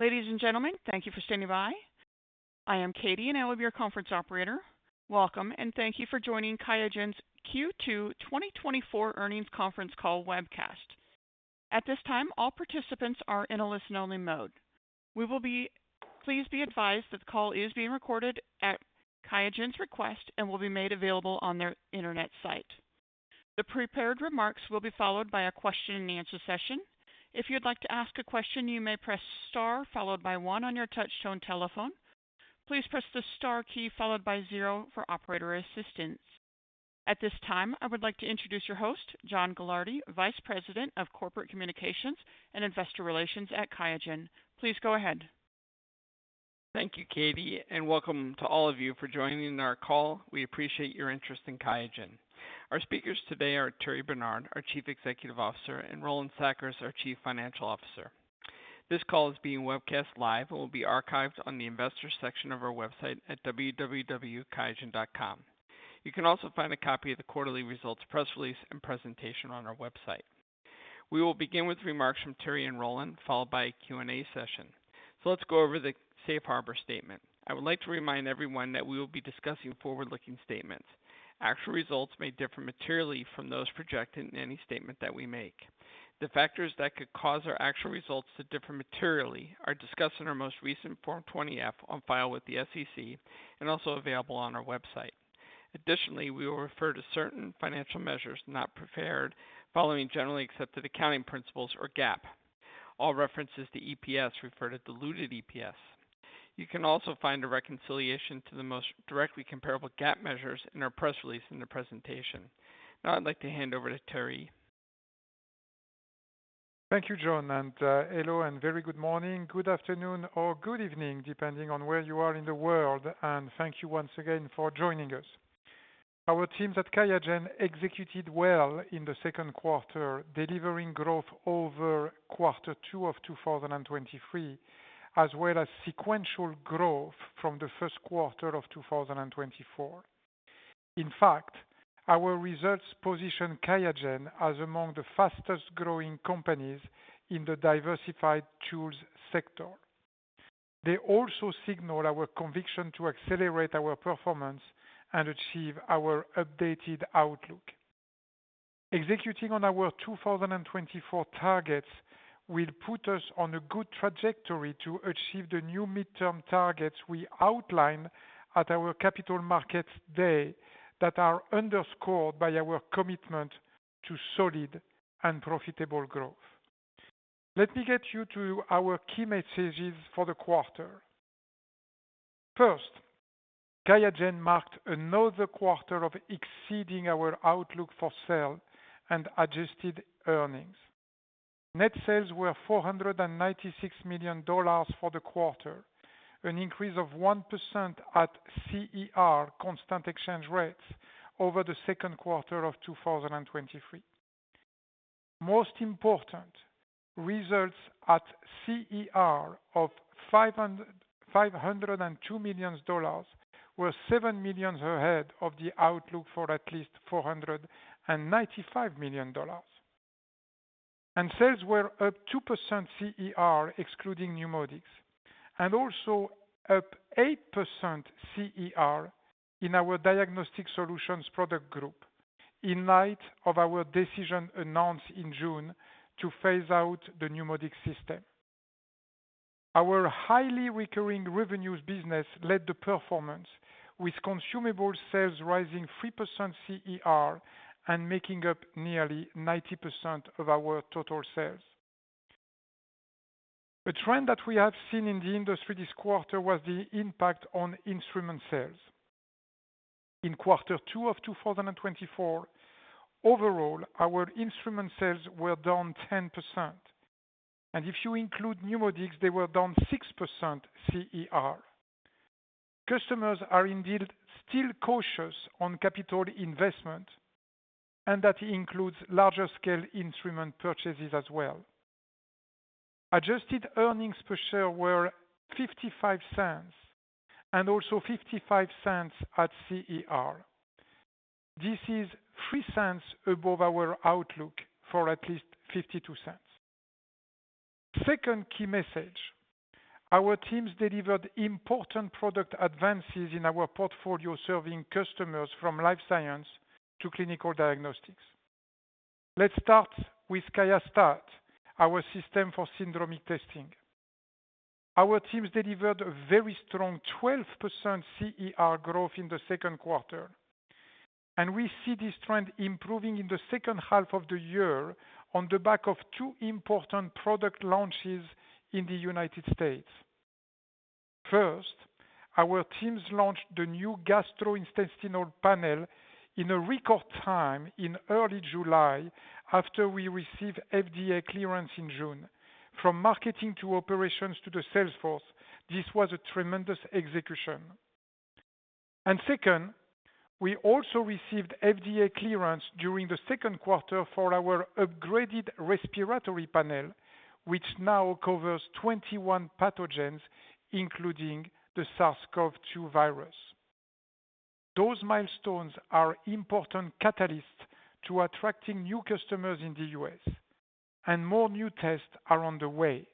Ladies and gentlemen, thank you for standing by. I am Katie, and I will be your conference operator. Welcome, and thank you for joining QIAGEN's Q2 2024 earnings conference call webcast. At this time, all participants are in a listen-only mode. We will be pleased to be advised that the call is being recorded at QIAGEN's request and will be made available on their internet site. The prepared remarks will be followed by a question-and-answer session. If you'd like to ask a question, you may press star followed by one on your touch-tone telephone. Please press the star key followed by zero for operator assistance. At this time, I would like to introduce your host, Jon Gilardi, Vice President of Corporate Communications and Investor Relations at QIAGEN. Please go ahead. Thank you, Katie, and welcome to all of you for joining our call. We appreciate your interest in QIAGEN. Our speakers today are Thierry Bernard, our Chief Executive Officer, and Roland Sackers, our Chief Financial Officer. This call is being webcast live and will be archived on the investor section of our website at www.qiagen.com. You can also find a copy of the quarterly results press release and presentation on our website. We will begin with remarks from Thierry and Roland, followed by a Q&A session. Let's go over the Safe Harbor Statement. I would like to remind everyone that we will be discussing forward-looking statements. Actual results may differ materially from those projected in any statement that we make. The factors that could cause our actual results to differ materially are discussed in our most recent Form 20-F on file with the SEC and also available on our website. Additionally, we will refer to certain financial measures not prepared following generally accepted accounting principles or GAAP. All references to EPS refer to diluted EPS. You can also find a reconciliation to the most directly comparable GAAP measures in our press release and the presentation. Now I'd like to hand over to Thierry. Thank you, Jon, and hello and very good morning, good afternoon, or good evening depending on where you are in the world, and thank you once again for joining us. Our teams at QIAGEN executed well in the second quarter, delivering growth over quarter two of 2023, as well as sequential growth from the first quarter of 2024. In fact, our results position QIAGEN as among the fastest growing companies in the diversified tools sector. They also signal our conviction to accelerate our performance and achieve our updated outlook. Executing on our 2024 targets will put us on a good trajectory to achieve the new midterm targets we outlined at our capital markets day that are underscored by our commitment to solid and profitable growth. Let me get you to our key messages for the quarter. First, QIAGEN marked another quarter of exceeding our outlook for sales and adjusted earnings. Net sales were $496 million for the quarter, an increase of 1% at CER, constant exchange rates, over the second quarter of 2023. Most important results at CER of $502 million were $7 million ahead of the outlook for at least $495 million. Sales were up 2% CER, excluding NeuMoDx, and also up 8% CER in our diagnostic solutions product group in light of our decision announced in June to phase out the pneumonic system. Our highly recurring revenues business led the performance, with consumable sales rising 3% CER and making up nearly 90% of our total sales. A trend that we have seen in the industry this quarter was the impact on instrument sales. In quarter two of 2024, overall, our instrument sales were down 10%, and if you include NeuMoDx, they were down 6% CER. Customers are indeed still cautious on capital investment, and that includes larger scale instrument purchases as well. Adjusted earnings per share were $0.55 and also $0.55 at CER. This is $0.03 above our outlook for at least $0.52. Second key message, our teams delivered important product advances in our portfolio serving customers from life science to clinical diagnostics. Let's start with QIAstat, our system for syndromic testing. Our teams delivered a very strong 12% CER growth in the second quarter, and we see this trend improving in the second half of the year on the back of two important product launches in the United States. First, our teams launched the new gastrointestinal panel in a record time in early July after we received FDA clearance in June. From marketing to operations to the sales force, this was a tremendous execution. Second, we also received FDA clearance during the second quarter for our upgraded respiratory panel, which now covers 21 pathogens, including the SARS-CoV-2 virus. Those milestones are important catalysts to attracting new customers in the U.S., and more new tests are on the way.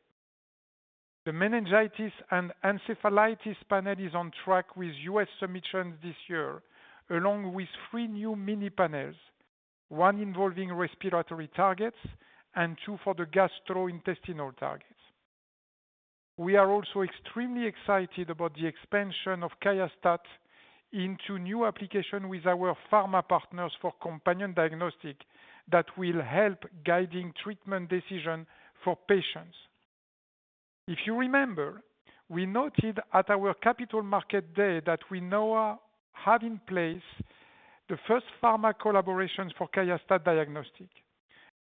The meningitis and encephalitis panel is on track with U.S. submissions this year, along with three new mini panels, one involving respiratory targets and two for the gastrointestinal targets. We are also extremely excited about the expansion of QIAstat into new applications with our pharma partners for companion diagnostics that will help guiding treatment decisions for patients. If you remember, we noted at our capital market day that we now have in place the first pharma collaborations for QIAstat diagnostics,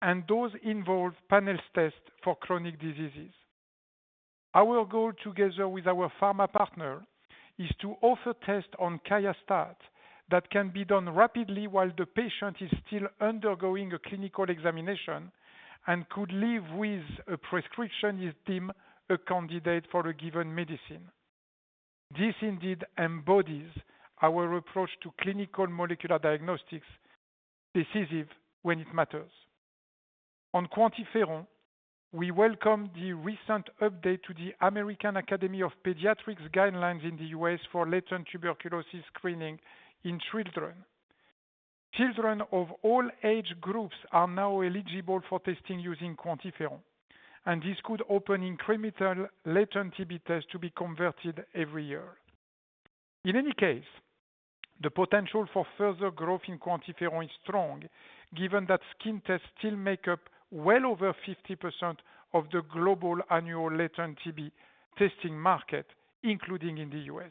and those involve panel tests for chronic diseases. Our goal, together with our pharma partner, is to offer tests on QIAstat that can be done rapidly while the patient is still undergoing a clinical examination and could leave with a prescription if deemed a candidate for a given medicine. This indeed embodies our approach to clinical molecular diagnostics, decisive when it matters. On QuantiFERON, we welcome the recent update to the American Academy of Pediatrics guidelines in the U.S. for latent tuberculosis screening in children. Children of all age groups are now eligible for testing using QuantiFERON, and this could open incremental latent TB tests to be converted every year. In any case, the potential for further growth in QuantiFERON is strong, given that skin tests still make up well over 50% of the global annual latent TB testing market, including in the U.S.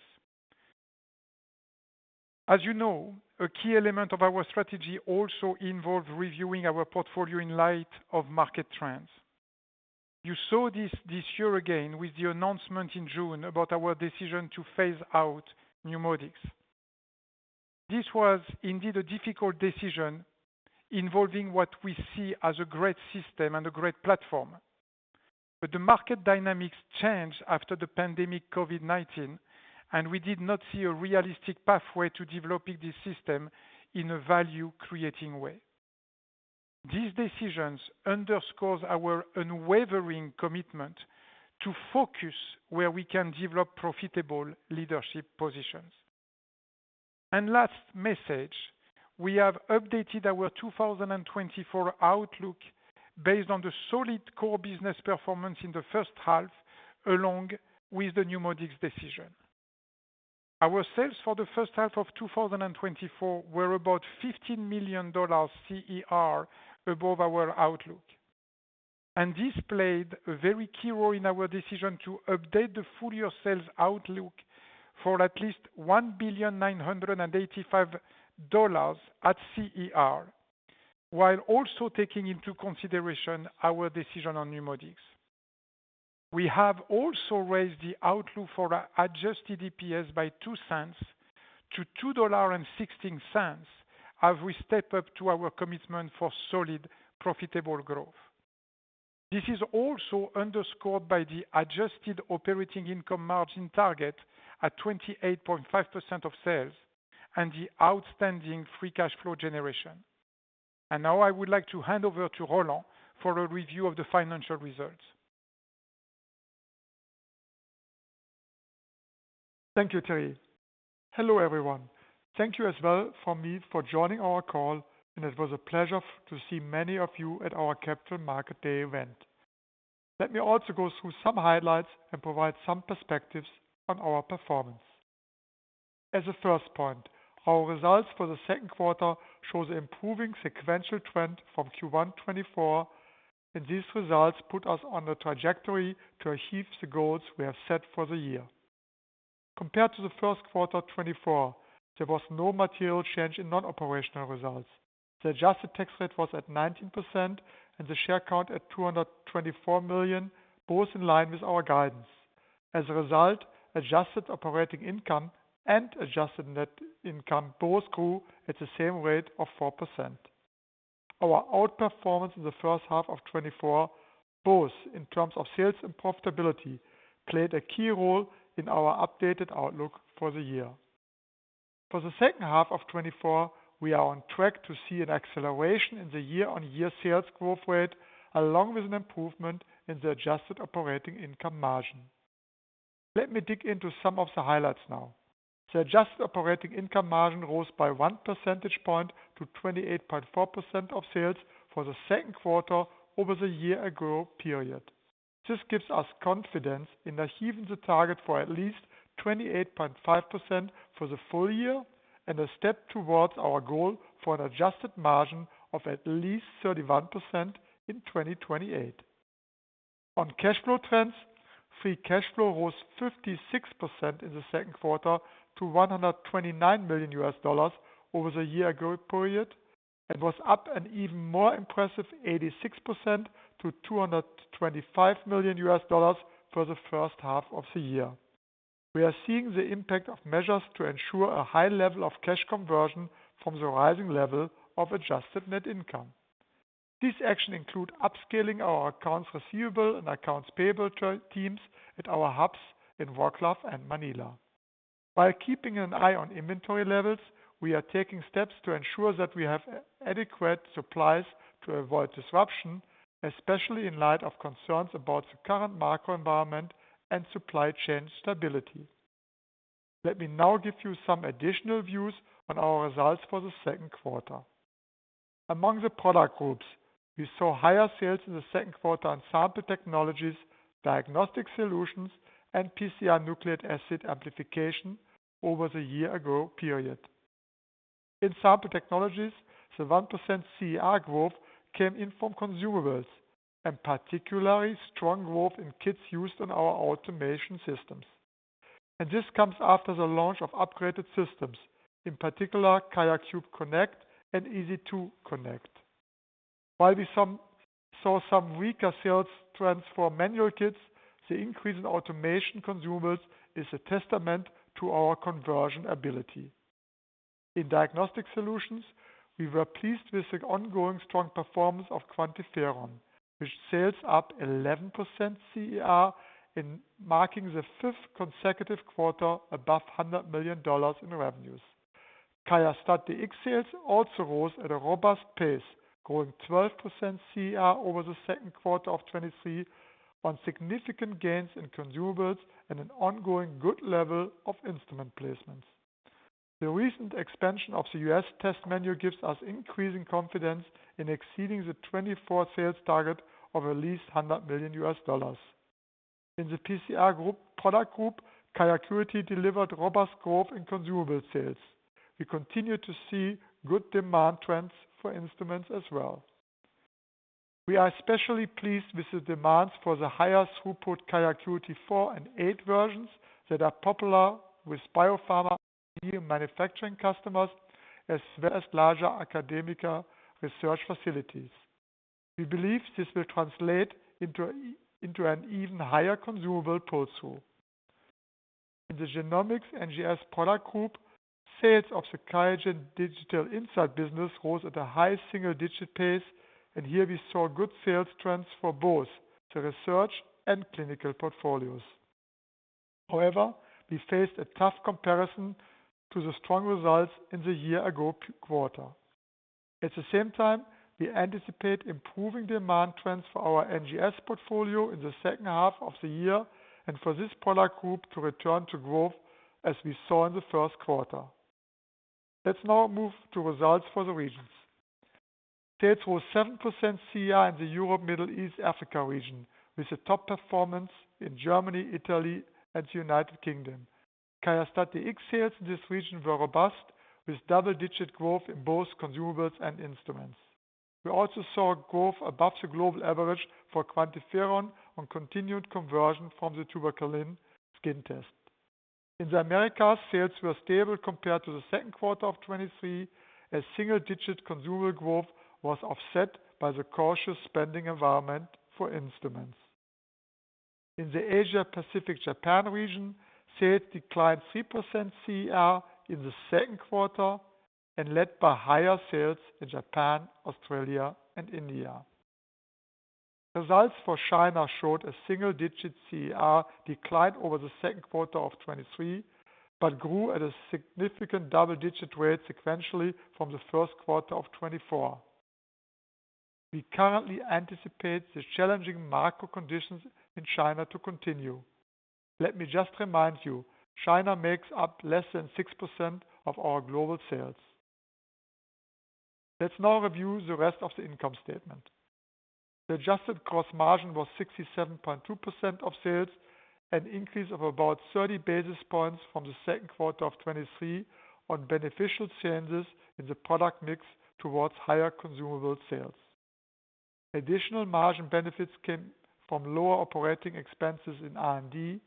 As you know, a key element of our strategy also involves reviewing our portfolio in light of market trends. You saw this this year again with the announcement in June about our decision to phase out NeuMoDx. This was indeed a difficult decision involving what we see as a great system and a great platform, but the market dynamics changed after the pandemic COVID-19, and we did not see a realistic pathway to developing this system in a value-creating way. These decisions underscore our unwavering commitment to focus where we can develop profitable leadership positions. And last message, we have updated our 2024 outlook based on the solid core business performance in the first half along with the NeuMoDx decision. Our sales for the first half of 2024 were about $15 million CER above our outlook, and this played a very key role in our decision to update the full year sales outlook for at least $1,985 at CER, while also taking into consideration our decision on NeuMoDx. We have also raised the outlook for adjusted EPS by $0.02 to $2.16 as we step up to our commitment for solid profitable growth. This is also underscored by the adjusted operating income margin target at 28.5% of sales and the outstanding free cash flow generation. And now I would like to hand over to Roland for a review of the financial results. Thank you, Thierry. Hello everyone. Thank you as well for joining our call, and it was a pleasure to see many of you at our Capital Market Day event. Let me also go through some highlights and provide some perspectives on our performance. As a first point, our results for the second quarter show an improving sequential trend from Q1 2024, and these results put us on the trajectory to achieve the goals we have set for the year. Compared to the first quarter 2024, there was no material change in non-operational results. The adjusted tax rate was at 19% and the share count at 224 million, both in line with our guidance. As a result, adjusted operating income and adjusted net income both grew at the same rate of 4%. Our outperformance in the first half of 2024, both in terms of sales and profitability, played a key role in our updated outlook for the year. For the second half of 2024, we are on track to see an acceleration in the year-on-year sales growth rate, along with an improvement in the adjusted operating income margin. Let me dig into some of the highlights now. The adjusted operating income margin rose by 1 percentage point to 28.4% of sales for the second quarter over the year-ago period. This gives us confidence in achieving the target for at least 28.5% for the full year and a step towards our goal for an adjusted margin of at least 31% in 2028. On cash flow trends, free cash flow rose 56% in the second quarter to $129 million over the year-ago period and was up an even more impressive 86% to $225 million for the first half of the year. We are seeing the impact of measures to ensure a high level of cash conversion from the rising level of adjusted net income. These actions include upscaling our accounts receivable and accounts payable teams at our hubs in WorkLab and Manila. While keeping an eye on inventory levels, we are taking steps to ensure that we have adequate supplies to avoid disruption, especially in light of concerns about the current macro environment and supply chain stability. Let me now give you some additional views on our results for the second quarter. Among the product groups, we saw higher sales in the second quarter on sample technologies, diagnostic solutions, and PCR nucleic acid amplification over the year-ago period. In sample technologies, the 1% CER growth came in from consumables, and particularly strong growth in kits used on our automation systems. This comes after the launch of upgraded systems, in particular QIAcube Connect and EZ2 Connect. While we saw some weaker sales trends for manual kits, the increase in automation consumables is a testament to our conversion ability. In diagnostic solutions, we were pleased with the ongoing strong performance of QuantiFERON, which sells up 11% CER, marking the fifth consecutive quarter above $100 million in revenues. QIAstat-Dx sales also rose at a robust pace, growing 12% CER over the second quarter of 2023 on significant gains in consumables and an ongoing good level of instrument placements. The recent expansion of the U.S. test menu gives us increasing confidence in exceeding the 2024 sales target of at least $100 million. In the PCR product group, QIAcuity delivered robust growth in consumable sales. We continue to see good demand trends for instruments as well. We are especially pleased with the demands for the higher throughput QIAcuity 4 and 8 versions that are popular with biopharma and manufacturing customers as well as larger academic research facilities. We believe this will translate into an even higher consumable portfolio. In the genomics and GS product group, sales of the QIAGEN Digital Insights business rose at a high single-digit pace, and here we saw good sales trends for both the research and clinical portfolios. However, we faced a tough comparison to the strong results in the year-ago quarter. At the same time, we anticipate improving demand trends for our NGS portfolio in the second half of the year and for this product group to return to growth as we saw in the first quarter. Let's now move to results for the regions. Sales rose 7% CER in the Europe, Middle East, and Africa region, with a top performance in Germany, Italy, and the United Kingdom. QIAstat-Dx sales in this region were robust, with double-digit growth in both consumables and instruments. We also saw growth above the global average for QuantiFERON on continued conversion from the tuberculin skin test. In the Americas, sales were stable compared to the second quarter of 2023, as single-digit consumable growth was offset by the cautious spending environment for instruments. In the Asia-Pacific-Japan region, sales declined 3% CER in the second quarter and led by higher sales in Japan, Australia, and India. Results for China showed a single-digit CER decline over the second quarter of 2023 but grew at a significant double-digit rate sequentially from the first quarter of 2024. We currently anticipate the challenging macro conditions in China to continue. Let me just remind you, China makes up less than 6% of our global sales. Let's now review the rest of the income statement. The adjusted gross margin was 67.2% of sales, an increase of about 30 basis points from the second quarter of 2023 on beneficial changes in the product mix towards higher consumable sales. Additional margin benefits came from lower operating expenses in R&D,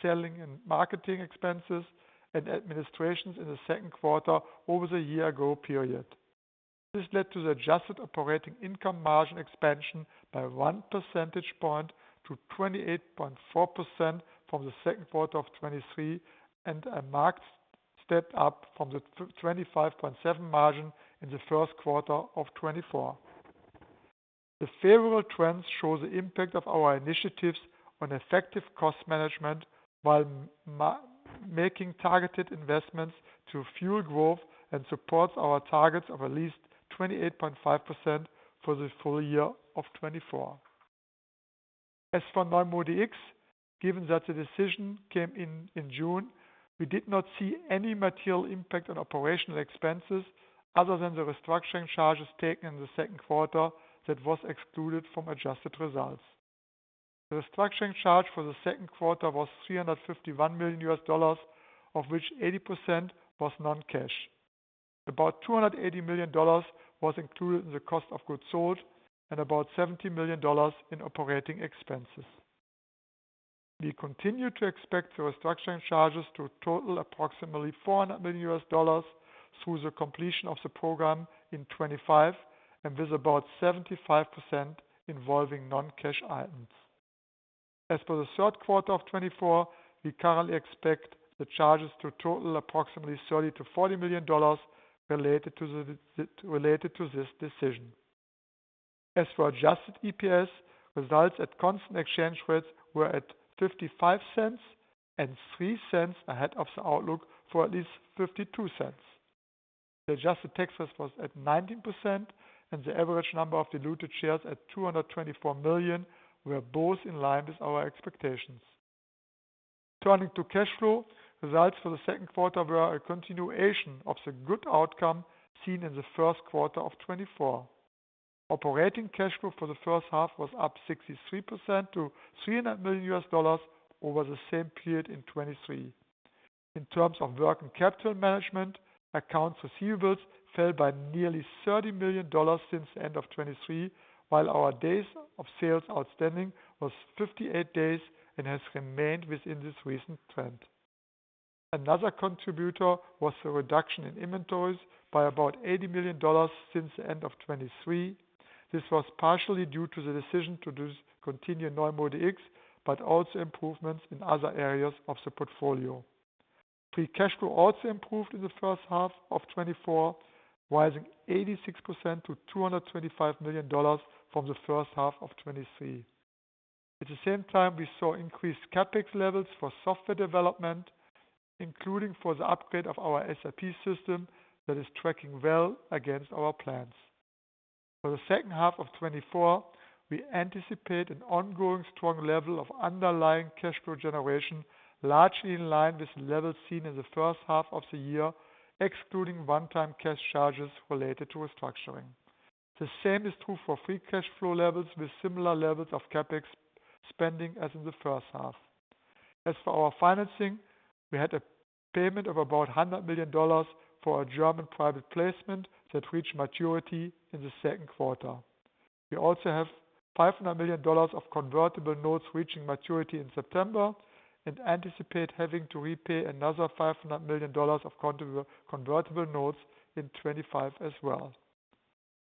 selling and marketing expenses, and administrations in the second quarter over the year-ago period. This led to the adjusted operating income margin expansion by 1 percentage point to 28.4% from the second quarter of 2023 and a marked step up from the 25.7% margin in the first quarter of 2024. The favorable trends show the impact of our initiatives on effective cost management while making targeted investments to fuel growth and support our targets of at least 28.5% for the full year of 2024. As for QIAstat-Dx, given that the decision came in June, we did not see any material impact on operational expenses other than the restructuring charges taken in the second quarter that were excluded from adjusted results. The restructuring charge for the second quarter was $351 million, of which 80% was non-cash. About $280 million was included in the cost of goods sold and about $70 million in operating expenses. We continue to expect the restructuring charges to total approximately $400 million through the completion of the program in 2025 and with about 75% involving non-cash items. As for the third quarter of 2024, we currently expect the charges to total approximately $30-$40 million related to this decision. As for adjusted EPS, results at constant exchange rates were at $0.55 and $0.03 ahead of the outlook for at least $0.52. The adjusted tax rate was at 19%, and the average number of diluted shares at $224 million were both in line with our expectations. Returning to cash flow, results for the second quarter were a continuation of the good outcome seen in the first quarter of 2024. Operating cash flow for the first half was up 63% to $300 million over the same period in 2023. In terms of working capital management, accounts receivables fell by nearly $30 million since the end of 2023, while our days of sales outstanding was 58 days and has remained within this recent trend. Another contributor was the reduction in inventories by about $80 million since the end of 2023. This was partially due to the decision to continue QIAstat-Dx, but also improvements in other areas of the portfolio. Free cash flow also improved in the first half of 2024, rising 86% to $225 million from the first half of 2023. At the same time, we saw increased CapEx levels for software development, including for the upgrade of our SAP system that is tracking well against our plans. For the second half of 2024, we anticipate an ongoing strong level of underlying cash flow generation, largely in line with levels seen in the first half of the year, excluding one-time cash charges related to restructuring. The same is true for free cash flow levels with similar levels of CapEx spending as in the first half. As for our financing, we had a payment of about $100 million for a German private placement that reached maturity in the second quarter. We also have $500 million of convertible notes reaching maturity in September and anticipate having to repay another $500 million of convertible notes in 2025 as well.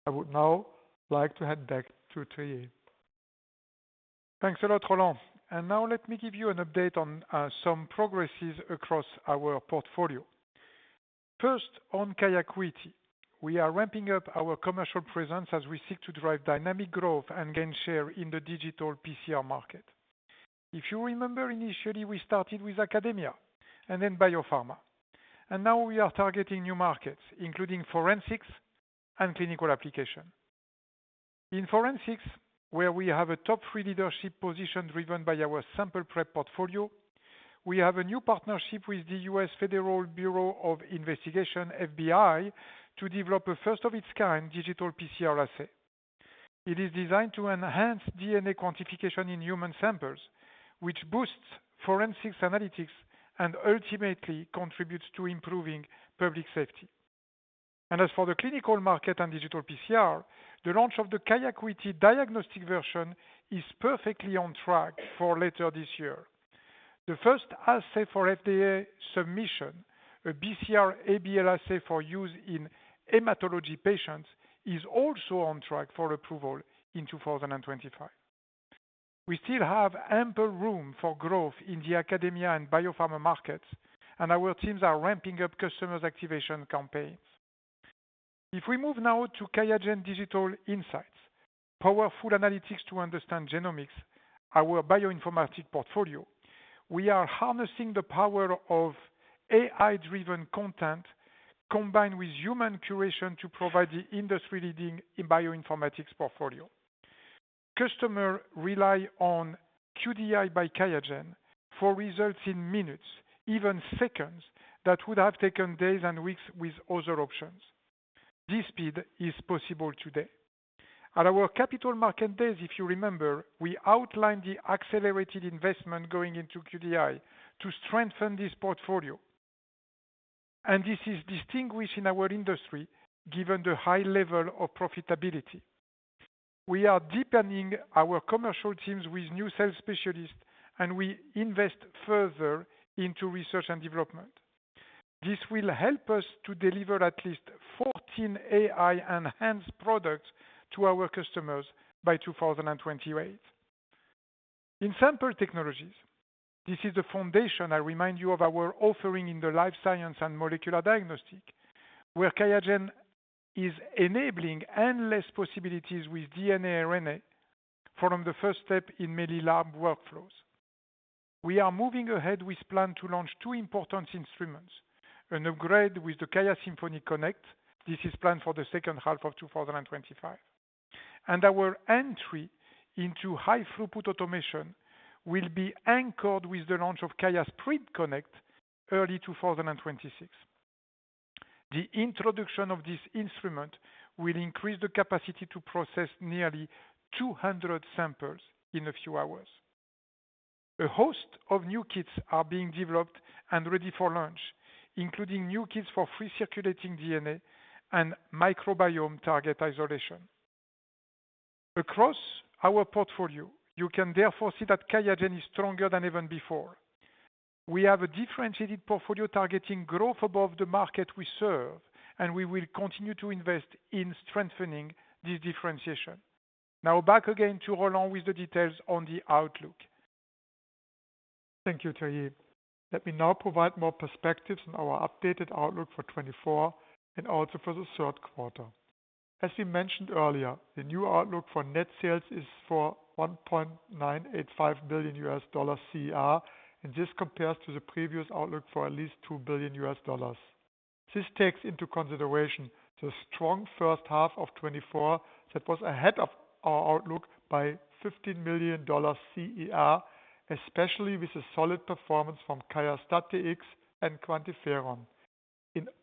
I would now like to hand back to Thierry. Thanks a lot, Roland. Now let me give you an update on some progresses across our portfolio. First, on QIAcuity, we are ramping up our commercial presence as we seek to drive dynamic growth and gain share in the digital PCR market. If you remember, initially, we started with academia and then biopharma, and now we are targeting new markets, including forensics and clinical application. In forensics, where we have a top three leadership position driven by our sample prep portfolio, we have a new partnership with the U.S. Federal Bureau of Investigation, FBI, to develop a first-of-its-kind digital PCR assay. It is designed to enhance DNA quantification in human samples, which boosts forensics analytics and ultimately contributes to improving public safety. As for the clinical market and digital PCR, the launch of the QIAcuity diagnostic version is perfectly on track for later this year. The first assay for FDA submission, a BCR-ABL assay for use in hematology patients, is also on track for approval in 2025. We still have ample room for growth in the academia and biopharma markets, and our teams are ramping up customers' activation campaigns. If we move now to QIAGEN Digital Insights, powerful analytics to understand genomics, our bioinformatics portfolio, we are harnessing the power of AI-driven content combined with human curation to provide the industry-leading bioinformatics portfolio. Customers rely on QDI by QIAGEN for results in minutes, even seconds, that would have taken days and weeks with other options. This speed is possible today. At our capital market days, if you remember, we outlined the accelerated investment going into QDI to strengthen this portfolio. This is distinguished in our industry, given the high level of profitability. We are deepening our commercial teams with new sales specialists, and we invest further into research and development. This will help us to deliver at least 14 AI-enhanced products to our customers by 2028. In sample technologies, this is the foundation, I remind you, of our offering in the life science and molecular diagnostic, where QIAGEN is enabling endless possibilities with DNA RNA from the first step in many lab workflows. We are moving ahead with a plan to launch two important instruments: an upgrade with the QIAsymphony Connect. This is planned for the second half of 2025. Our entry into high-throughput automation will be anchored with the launch of QIAsprint Connect early 2026. The introduction of this instrument will increase the capacity to process nearly 200 samples in a few hours. A host of new kits are being developed and ready for launch, including new kits for free-circulating DNA and microbiome target isolation. Across our portfolio, you can therefore see that QIAGEN is stronger than ever before. We have a differentiated portfolio targeting growth above the market we serve, and we will continue to invest in strengthening this differentiation. Now back again to Roland with the details on the outlook. Thank you, Thierry. Let me now provide more perspectives on our updated outlook for 2024 and also for the third quarter. As we mentioned earlier, the new outlook for net sales is for $1.985 billion CER, and this compares to the previous outlook for at least $2 billion. This takes into consideration the strong first half of 2024 that was ahead of our outlook by $15 million CER, especially with the solid performance from QIAstat-Dx and QuantiFERON.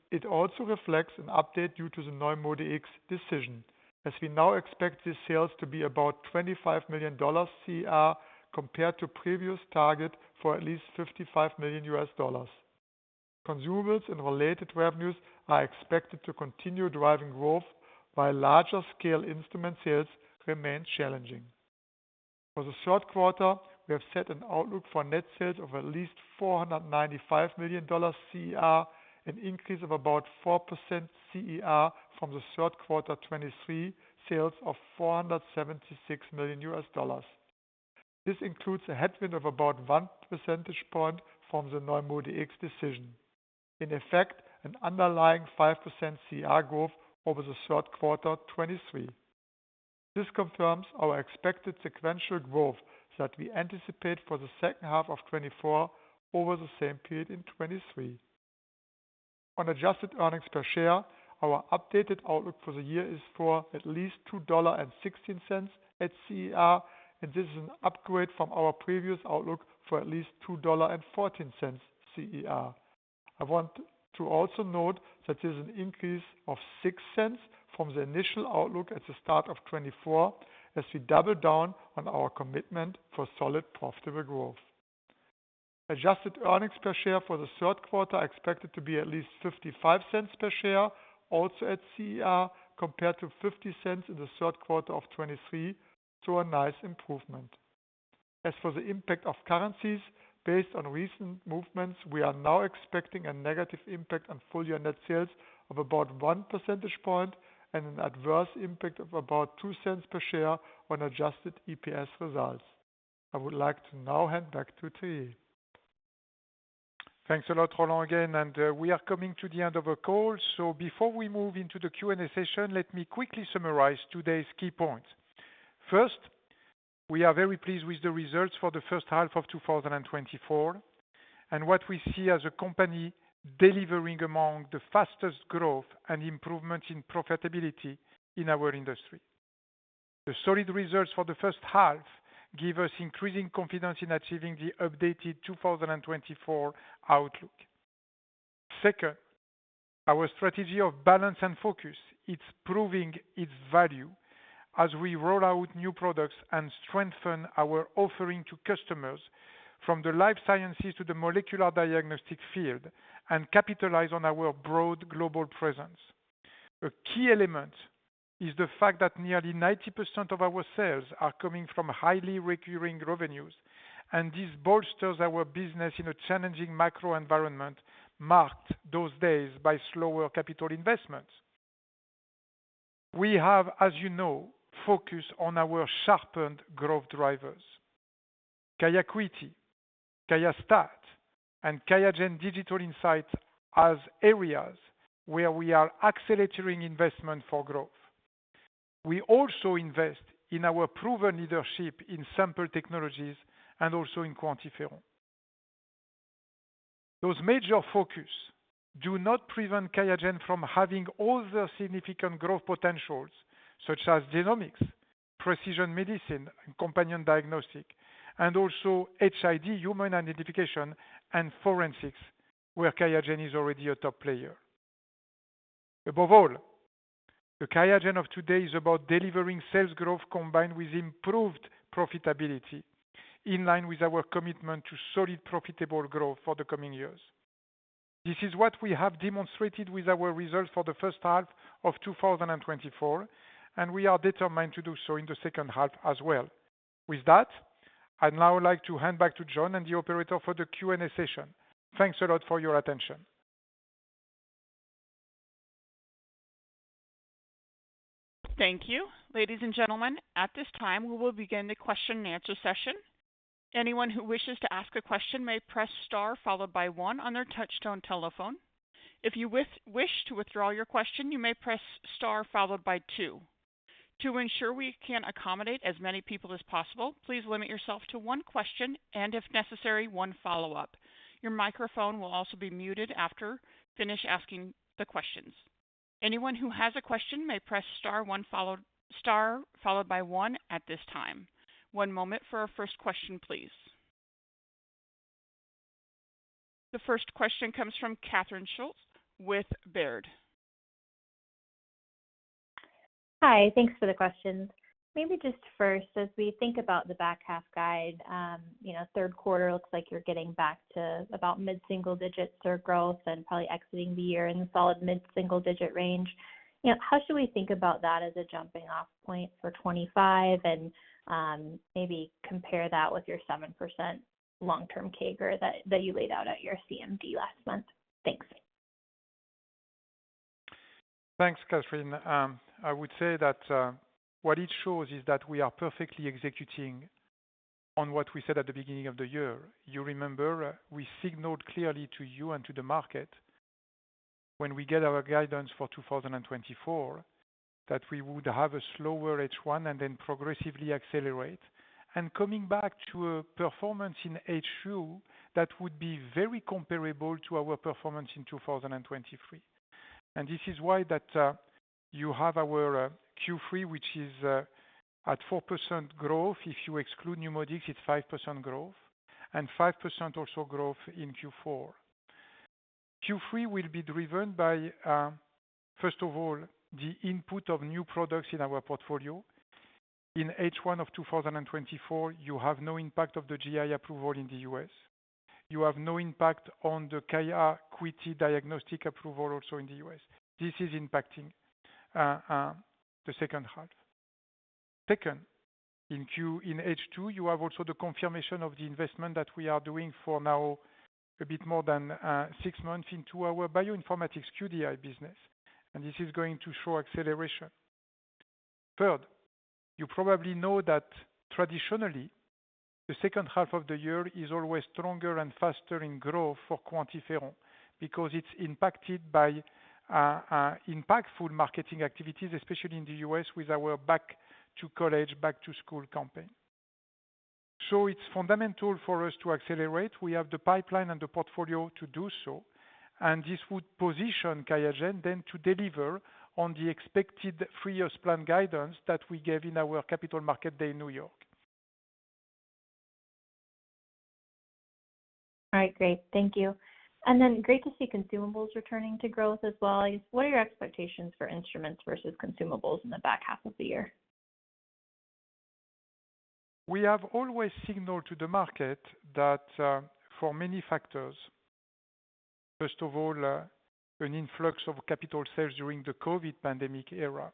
It also reflects an update due to the QIAstat-Dx decision, as we now expect the sales to be about $25 million CER compared to the previous target for at least $55 million. Consumables and related revenues are expected to continue driving growth, while larger-scale instrument sales remain challenging. For the third quarter, we have set an outlook for net sales of at least $495 million CER, an increase of about 4% CER from the third quarter 2023 sales of $476 million. This includes a headwind of about 1 percentage point from the QIAstat-Dx decision. In effect, an underlying 5% CER growth over the third quarter 2023. This confirms our expected sequential growth that we anticipate for the second half of 2024 over the same period in 2023. On adjusted earnings per share, our updated outlook for the year is for at least $2.16 at CER, and this is an upgrade from our previous outlook for at least $2.14 CER. I want to also note that this is an increase of $0.06 from the initial outlook at the start of 2024, as we double down on our commitment for solid, profitable growth. Adjusted earnings per share for the third quarter are expected to be at least $0.55 per share, also at CER, compared to $0.50 in the third quarter of 2023, so a nice improvement. As for the impact of currencies, based on recent movements, we are now expecting a negative impact on full-year net sales of about 1 percentage point and an adverse impact of about $0.02 per share on adjusted EPS results. I would like to now hand back to Thierry. Thanks a lot, Roland, again, and we are coming to the end of the call. So before we move into the Q&A session, let me quickly summarize today's key points. First, we are very pleased with the results for the first half of 2024 and what we see as a company delivering among the fastest growth and improvements in profitability in our industry. The solid results for the first half give us increasing confidence in achieving the updated 2024 outlook. Second, our strategy of balance and focus is proving its value as we roll out new products and strengthen our offering to customers from the life sciences to the molecular diagnostic field and capitalize on our broad global presence. A key element is the fact that nearly 90% of our sales are coming from highly recurring revenues, and this bolsters our business in a challenging macro environment marked those days by slower capital investments. We have, as you know, focused on our sharpened growth drivers: QIAcuity, QIAstat, and QIAGEN Digital Insights as areas where we are accelerating investment for growth. We also invest in our proven leadership in sample technologies and also in QuantiFERON. Those major focuses do not prevent QIAGEN from having other significant growth potentials, such as genomics, precision medicine and companion diagnostic, and also HID, human identification and forensics, where QIAGEN is already a top player. Above all, the QIAGEN of today is about delivering sales growth combined with improved profitability, in line with our commitment to solid, profitable growth for the coming years. This is what we have demonstrated with our results for the first half of 2024, and we are determined to do so in the second half as well. With that, I'd now like to hand back to John and the operator for the Q&A session. Thanks a lot for your attention. Thank you. Ladies and gentlemen, at this time, we will begin the question-and-answer session. Anyone who wishes to ask a question may press star followed by one on their touchtone telephone. If you wish to withdraw your question, you may press star followed by two. To ensure we can accommodate as many people as possible, please limit yourself to one question and, if necessary, one follow-up. Your microphone will also be muted after you finish asking the questions. Anyone who has a question may press star followed by one at this time. One moment for our first question, please. The first question comes from Catherine Schulte with Baird. Hi, thanks for the question. Maybe just first, as we think about the back half guide, third quarter looks like you're getting back to about mid-single digits or growth and probably exiting the year in the solid mid-single digit range. How should we think about that as a jumping-off point for 2025 and maybe compare that with your 7% long-term CAGR that you laid out at your CMD last month? Thanks. Thanks, Catherine. I would say that what it shows is that we are perfectly executing on what we said at the beginning of the year. You remember, we signaled clearly to you and to the market when we get our guidance for 2024 that we would have a slower H1 and then progressively accelerate. Coming back to a performance in H2, that would be very comparable to our performance in 2023. This is why you have our Q3, which is at 4% growth. If you exclude NeuMoDx, it's 5% growth and 5% also growth in Q4. Q3 will be driven by, first of all, the input of new products in our portfolio. In H1 of 2024, you have no impact of the GI approval in the U.S. You have no impact on the QIAcuity diagnostic approval also in the U.S. This is impacting the second half. Second, in H2, you have also the confirmation of the investment that we are doing for now a bit more than six months into our bioinformatics QDI business, and this is going to show acceleration. Third, you probably know that traditionally, the second half of the year is always stronger and faster in growth for QuantiFERON because it's impacted by impactful marketing activities, especially in the U.S., with our back-to-college, back-to-school campaign. So it's fundamental for us to accelerate. We have the pipeline and the portfolio to do so, and this would position QIAGEN then to deliver on the expected three-year plan guidance that we gave in our capital market day in New York. All right, great. Thank you. And then great to see consumables returning to growth as well. What are your expectations for instruments versus consumables in the back half of the year? We have always signaled to the market that for many factors, first of all, an influx of capital sales during the COVID pandemic era.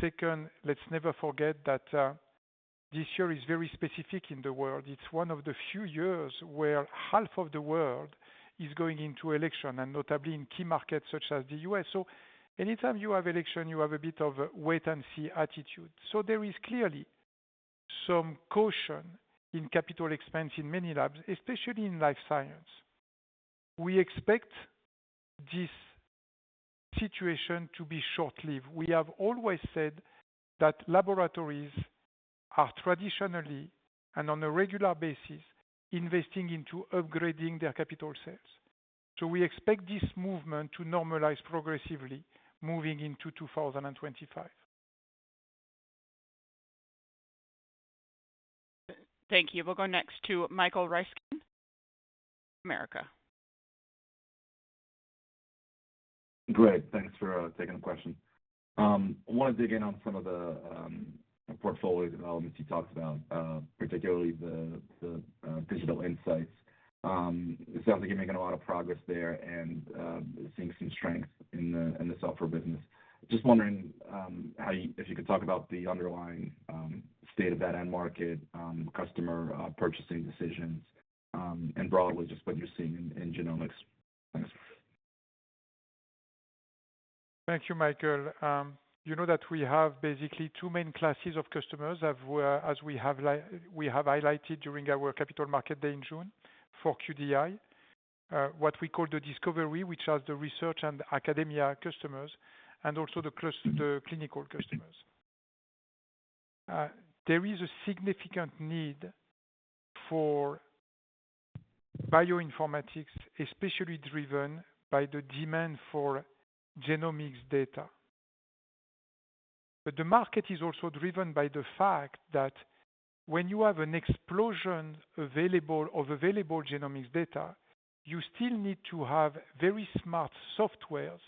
Second, let's never forget that this year is very specific in the world. It's one of the few years where half of the world is going into election, and notably in key markets such as the U.S. So anytime you have election, you have a bit of wait-and-see attitude. So there is clearly some caution in capital expense in many labs, especially in life science. We expect this situation to be short-lived. We have always said that laboratories are traditionally and on a regular basis investing into upgrading their capital sales. So we expect this movement to normalize progressively moving into 2025. Thank you. We'll go next to Michael Ryskin, Bank of America. Great. Thanks for taking the question. I want to dig in on some of the portfolio developments you talked about, particularly the digital insights. It sounds like you're making a lot of progress there and seeing some strength in the software business. Just wondering if you could talk about the underlying state of that end market, customer purchasing decisions, and broadly just what you're seeing in genomics. Thanks. Thank you, Michael. You know that we have basically two main classes of customers, as we have highlighted during our capital market day in June for QDI, what we call the discovery, which has the research and academia customers and also the clinical customers. There is a significant need for bioinformatics, especially driven by the demand for genomics data. But the market is also driven by the fact that when you have an explosion of available genomics data, you still need to have very smart software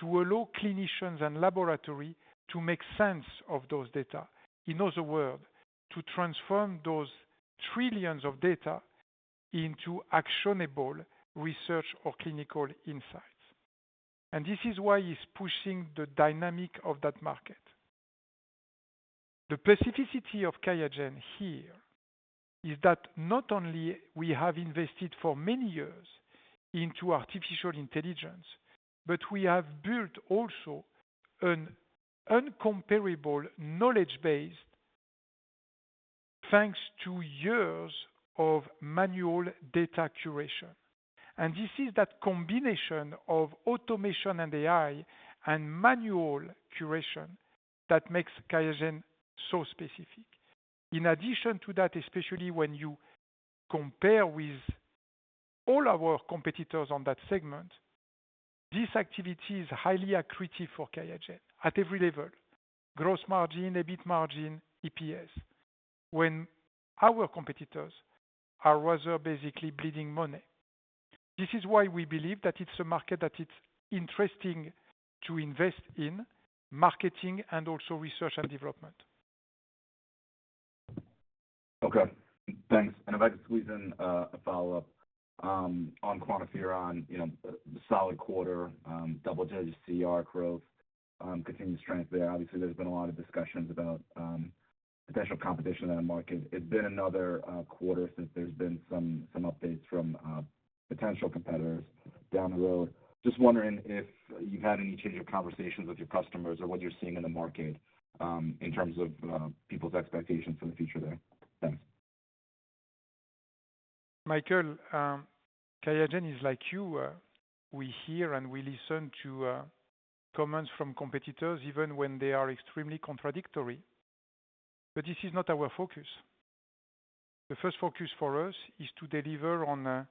to allow clinicians and laboratories to make sense of those data. In other words, to transform those trillions of data into actionable research or clinical insights. And this is why it's pushing the dynamic of that market. The specificity of QIAGEN here is that not only have we invested for many years into artificial intelligence, but we have built also an incomparable knowledge base thanks to years of manual data curation. And this is that combination of automation and AI and manual curation that makes QIAGEN so specific. In addition to that, especially when you compare with all our competitors on that segment, this activity is highly accretive for QIAGEN at every level: gross margin, EBIT margin, EPS, when our competitors are rather basically bleeding money. This is why we believe that it's a market that it's interesting to invest in marketing and also research and development. Okay. Thanks. And if I could squeeze in a follow-up on QuantiFERON, solid quarter, double-digit CER growth, continued strength there. Obviously, there's been a lot of discussions about potential competition in that market. It's been another quarter since there's been some updates from potential competitors down the road. Just wondering if you've had any change of conversations with your customers or what you're seeing in the market in terms of people's expectations for the future there. Thanks. Michael, QIAGEN is like you. We hear and we listen to comments from competitors even when they are extremely contradictory. But this is not our focus. The first focus for us is to deliver on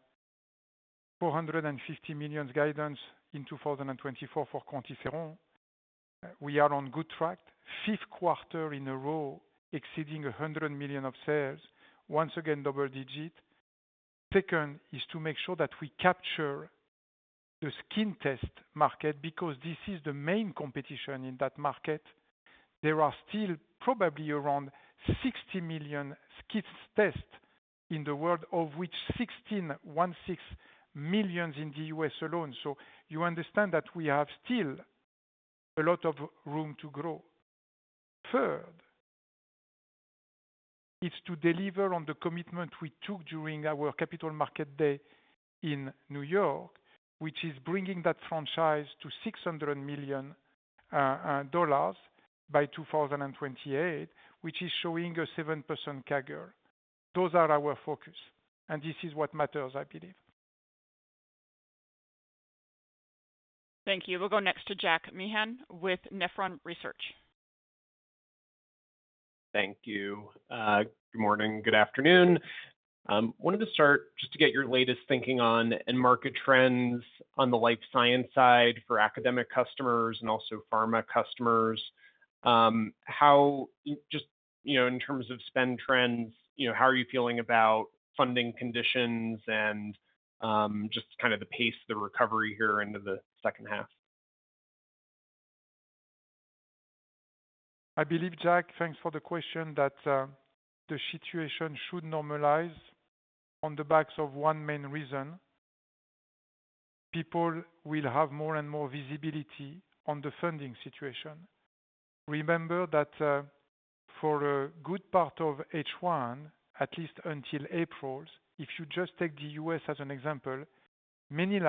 $450 million guidance in 2024 for QuantiFERON. We are on good track, fifth quarter in a row, exceeding $100 million of sales, once again double-digit. Second is to make sure that we capture the skin test market because this is the main competition in that market. There are still probably around 60 million skin tests in the world, of which 16.16 million in the U.S. alone. So you understand that we have still a lot of room to grow. Third, it's to deliver on the commitment we took during our capital market day in New York, which is bringing that franchise to $600 million by 2028, which is showing a 7% CAGR. Those are our focus, and this is what matters, I believe. Thank you. We'll go next to Jack Meehan with Nephron Research. Thank you. Good morning. Good afternoon. I wanted to start just to get your latest thinking on market trends on the life science side for academic customers and also pharma customers. Just in terms of spend trends, how are you feeling about funding conditions and just kind of the pace of the recovery here into the second half? I believe, Jack, thanks for the question, that the situation should normalize on the back of one main reason: people will have more and more visibility on the funding situation. Remember that for a good part of H1, at least until April, if you just take the U.S. as an example, many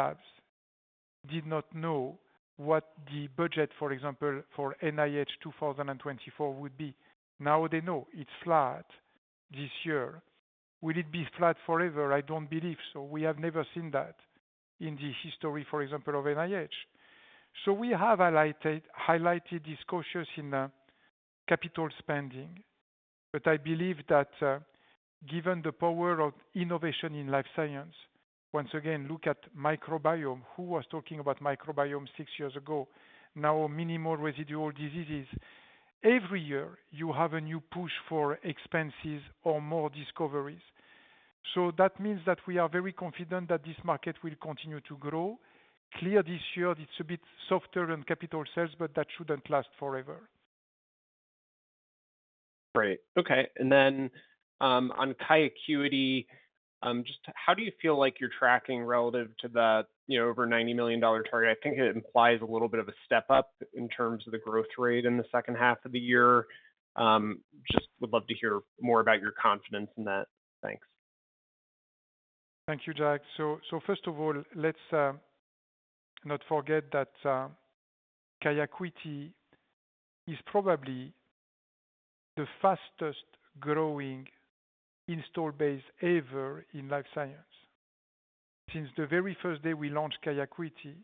labs did not know what the budget, for example, for NIH 2024 would be. Now they know it's flat this year. Will it be flat forever? I don't believe. So we have never seen that in the history, for example, of NIH. So we have highlighted this caution in capital spending, but I believe that given the power of innovation in life science, once again, look at microbiome. Who was talking about microbiome six years ago? Now, minimal residual diseases. Every year, you have a new push for expenses or more discoveries. So that means that we are very confident that this market will continue to grow. Clearly this year, it's a bit softer on capital sales, but that shouldn't last forever. Great. Okay. And then on QIAcuity, just how do you feel like you're tracking relative to that over $90 million target? I think it implies a little bit of a step up in terms of the growth rate in the second half of the year. Just would love to hear more about your confidence in that. Thanks. Thank you, Jack. So first of all, let's not forget that QIAcuity is probably the fastest growing install base ever in life science. Since the very first day we launched QIAcuity,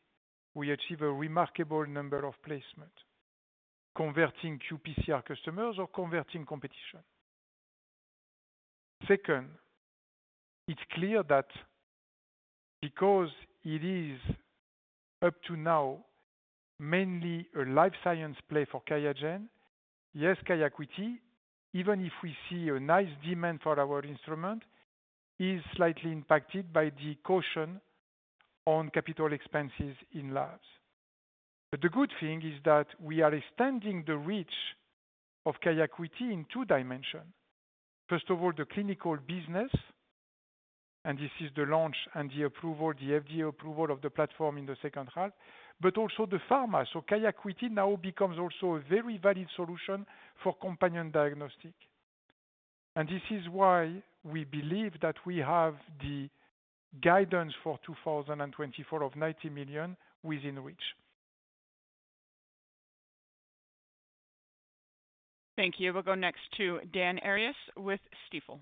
we achieved a remarkable number of placements, converting QPCR customers or converting competition. Second, it's clear that because it is up to now mainly a life science play for QIAGEN, yes, QIAcuity, even if we see a nice demand for our instrument, is slightly impacted by the caution on CapEx in labs. But the good thing is that we are extending the reach of QIAcuity in two dimensions. First of all, the clinical business, and this is the launch and the approval, the FDA approval of the platform in the second half, but also the pharma. So QIAcuity now becomes also a very valid solution for companion diagnostic. And this is why we believe that we have the guidance for 2024 of $90 million within reach. Thank you. We'll go next to Dan Arias with Stifel.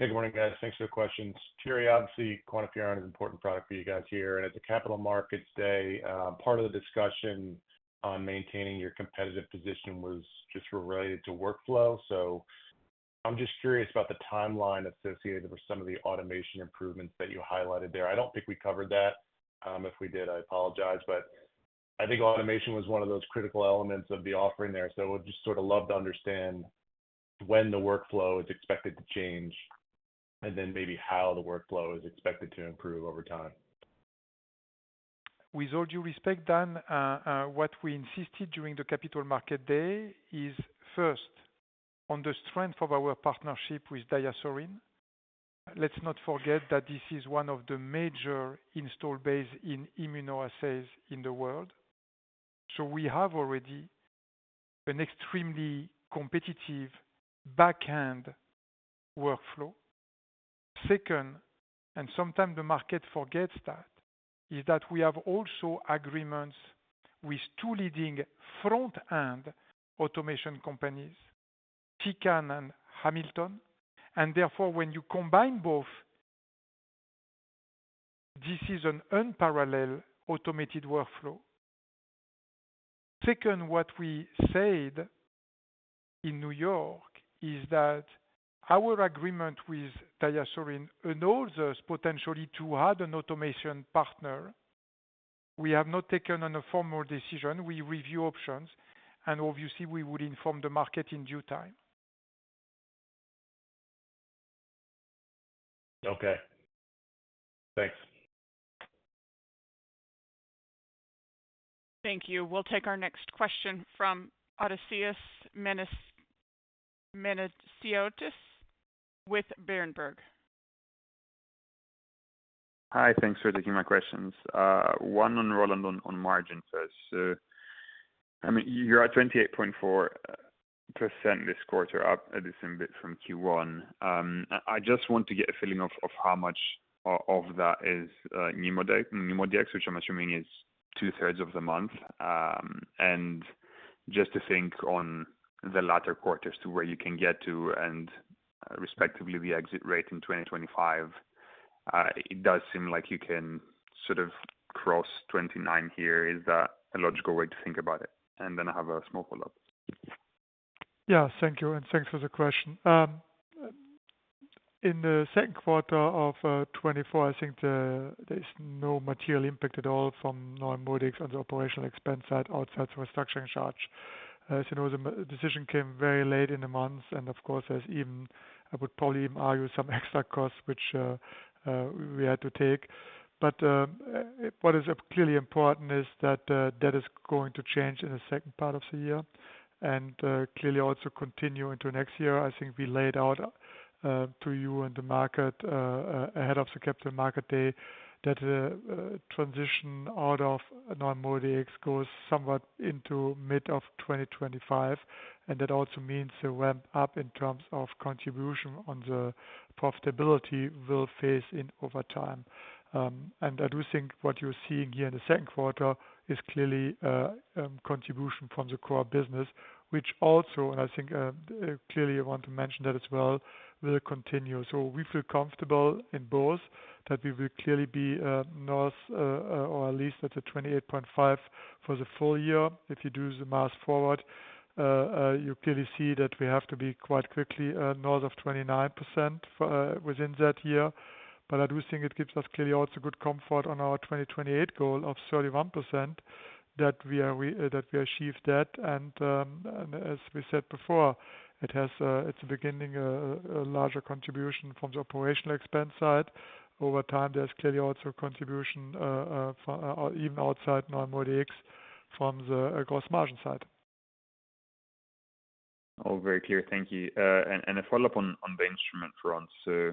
Hey, good morning, guys. Thanks for the questions. Curious, obviously, QuantiFERON is an important product for you guys here. And at the capital markets day, part of the discussion on maintaining your competitive position was just related to workflow. So I'm just curious about the timeline associated with some of the automation improvements that you highlighted there. I don't think we covered that. If we did, I apologize. But I think automation was one of those critical elements of the offering there. So we'd just sort of love to understand when the workflow is expected to change and then maybe how the workflow is expected to improve over time. With all due respect, Dan, what we insisted during the capital market day is, first, on the strength of our partnership with DiaSorin. Let's not forget that this is one of the major installed base in immunoassays in the world. So we have already an extremely competitive back-end workflow. Second, and sometimes the market forgets that, is that we have also agreements with two leading front-end automation companies, Tecan and Hamilton. And therefore, when you combine both, this is an unparalleled automated workflow. Second, what we said in New York is that our agreement with DiaSorin allows us potentially to add an automation partner. We have not taken a formal decision. We review options, and obviously, we will inform the market in due time. Okay. Thanks. Thank you. We'll take our next question from Odysseas Manesiotis with Berenberg. Hi. Thanks for taking my questions. One on Roland on margin first. So I mean, you're at 28.4% this quarter, up a decent bit from Q1. I just want to get a feeling of how much of that is Nimodecs, which I'm assuming is two-thirds of the month. And just to think on the latter quarters to where you can get to and respectively the exit rate in 2025, it does seem like you can sort of cross 29 here. Is that a logical way to think about it? And then I have a small follow-up. Yes. Thank you. And thanks for the question. In the second quarter of 2024, I think there is no material impact at all from Nimodecs on the operational expense side outside for structuring charge. The decision came very late in the month. Of course, there's even, I would probably even argue some extra costs which we had to take. What is clearly important is that that is going to change in the second part of the year and clearly also continue into next year. I think we laid out to you and the market ahead of the capital market day that the transition out of Nimodecs goes somewhat into mid of 2025. That also means a ramp up in terms of contribution on the profitability we'll face in overtime. And I do think what you're seeing here in the second quarter is clearly contribution from the core business, which also, and I think clearly I want to mention that as well, will continue. So we feel comfortable in both that we will clearly be north or at least at the 28.5% for the full year. If you do the math forward, you clearly see that we have to be quite quickly north of 29% within that year. But I do think it gives us clearly also good comfort on our 2028 goal of 31% that we achieved that. And as we said before, it's beginning a larger contribution from the operational expense side. Over time, there's clearly also contribution even outside Nimodecs from the gross margin side. All very clear. Thank you. And a follow-up on the instrument front. So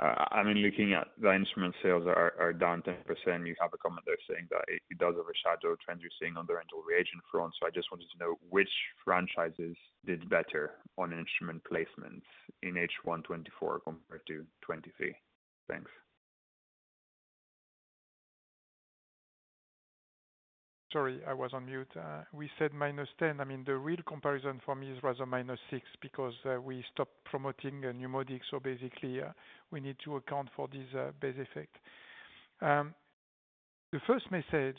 I mean, looking at the instrument sales, they are down 10%. You have a comment there saying that it does overshadow trends you're seeing on the rental reagent front. So I just wanted to know which franchises did better on instrument placements in H124 compared to 2023. Thanks. Sorry, I was on mute. We said minus 10. I mean, the real comparison for me is rather minus six because we stopped promoting Nimodecs. So basically, we need to account for this base effect. The first message,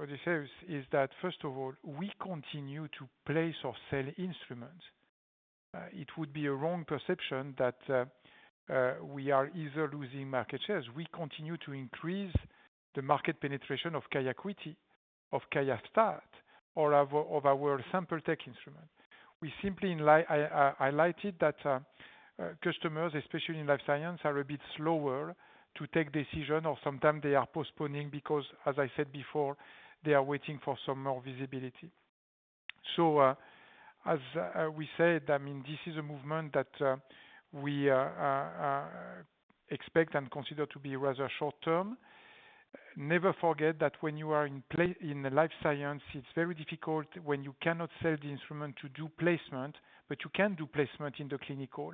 Odysseus, is that first of all, we continue to place or sell instruments. It would be a wrong perception that we are either losing market shares. We continue to increase the market penetration of QIAcuity, of QIAstat, or of our sample tech instrument. We simply highlighted that customers, especially in life science, are a bit slower to take decisions, or sometimes they are postponing because, as I said before, they are waiting for some more visibility. So as we said, I mean, this is a movement that we expect and consider to be rather short-term. Never forget that when you are in life science, it's very difficult when you cannot sell the instrument to do placement, but you can do placement in the clinical.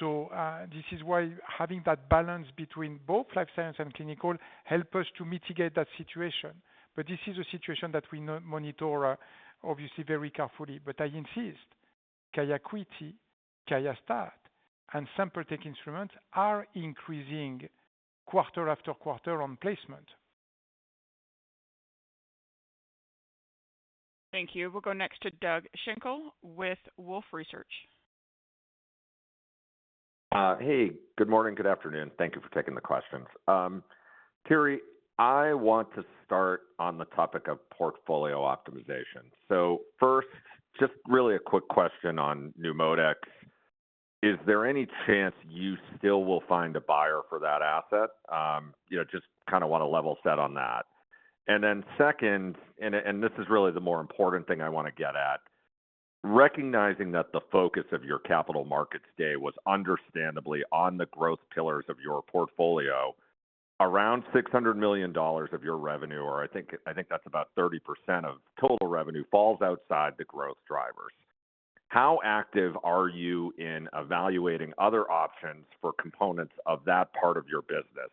So this is why having that balance between both life science and clinical helps us to mitigate that situation. But this is a situation that we monitor, obviously, very carefully. But I insist QIAcuity, QIAstat, and sample tech instruments are increasing quarter after quarter on placement. Thank you. We'll go next to Doug Schenkel with Wolfe Research. Hey, good morning. Good afternoon. Thank you for taking the questions. Thierry, I want to start on the topic of portfolio optimization. So first, just really a quick question on Nimodecs. Is there any chance you still will find a buyer for that asset? Just kind of want to level set on that. And then second, and this is really the more important thing I want to get at, recognizing that the focus of your capital markets day was understandably on the growth pillars of your portfolio, around $600 million of your revenue, or I think that's about 30% of total revenue falls outside the growth drivers. How active are you in evaluating other options for components of that part of your business?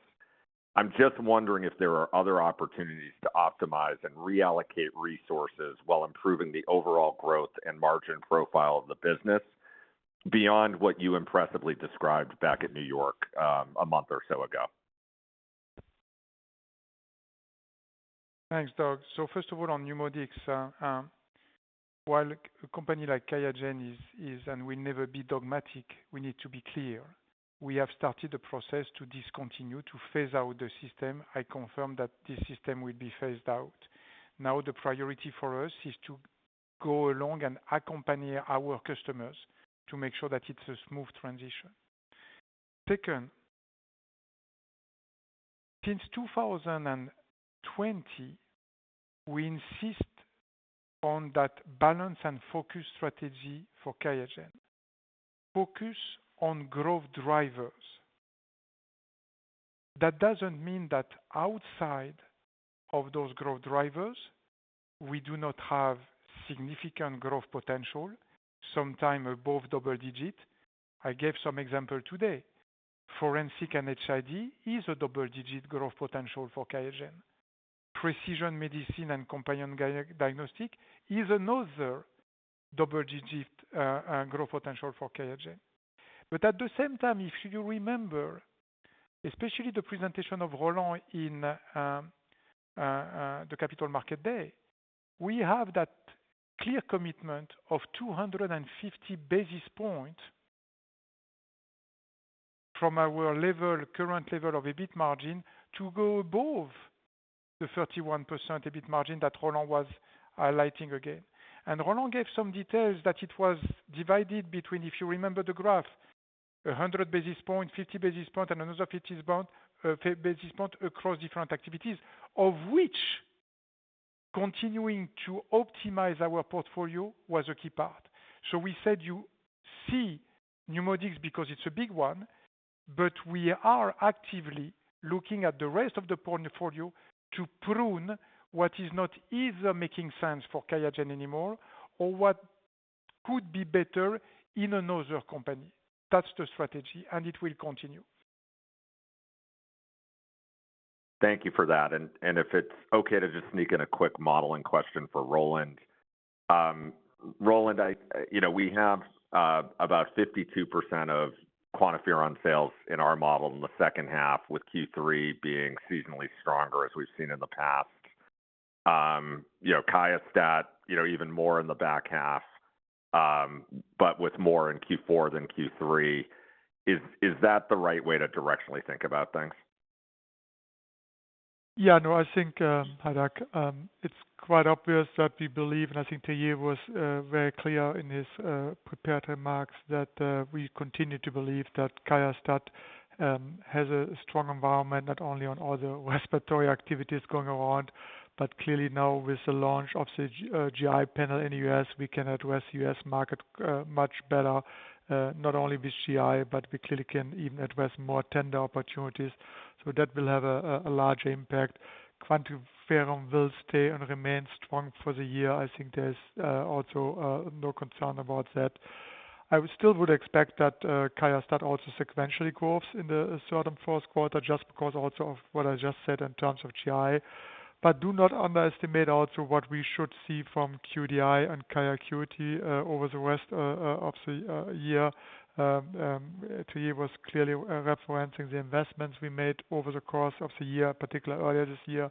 I'm just wondering if there are other opportunities to optimize and reallocate resources while improving the overall growth and margin profile of the business beyond what you impressively described back at New York a month or so ago. Thanks, Doug. So first of all, on Nimodecs, while a company like QIAGEN is and will never be dogmatic, we need to be clear. We have started the process to discontinue, to phase out the system. I confirm that this system will be phased out. Now the priority for us is to go along and accompany our customers to make sure that it's a smooth transition. Second, since 2020, we insist on that balance and focus strategy for QIAGEN. Focus on growth drivers. That doesn't mean that outside of those growth drivers, we do not have significant growth potential, sometimes above double digit. I gave some examples today. Forensic and HID is a double-digit growth potential for QIAGEN. Precision medicine and companion diagnostic is another double-digit growth potential for QIAGEN. But at the same time, if you remember, especially the presentation of Roland in the capital markets day, we have that clear commitment of 250 basis points from our current level of EBIT margin to go above the 31% EBIT margin that Roland was highlighting again. And Roland gave some details that it was divided between, if you remember the graph, 100 basis points, 50 basis points, and another 50 basis points across different activities, of which continuing to optimize our portfolio was a key part. So we said you see Nimodecs because it's a big one, but we are actively looking at the rest of the portfolio to prune what is not either making sense for QIAGEN anymore or what could be better in another company. That's the strategy, and it will continue. Thank you for that. And if it's okay to just sneak in a quick modeling question for Roland. Roland, we have about 52% of QuantiFERON sales in our model in the second half, with Q3 being seasonally stronger as we've seen in the past. QIAstat, even more in the back half, but with more in Q4 than Q3. Is that the right way to directionally think about things? Yeah. No, I think, Hidak, it's quite obvious that we believe, and I think Thierry was very clear in his prepared remarks that we continue to believe that QIAstat has a strong environment, not only on all the respiratory activities going around, but clearly now with the launch of the GI panel in the U.S., we can address the U.S. market much better, not only with GI, but we clearly can even address more tender opportunities. So that will have a larger impact. QuantiFERON will stay and remain strong for the year. I think there's also no concern about that. I still would expect that QIAstat also sequentially grows in the third and fourth quarter just because also of what I just said in terms of GI. But do not underestimate also what we should see from QIAstat and QIAcuity over the rest of the year. Thierry was clearly referencing the investments we made over the course of the year, particularly earlier this year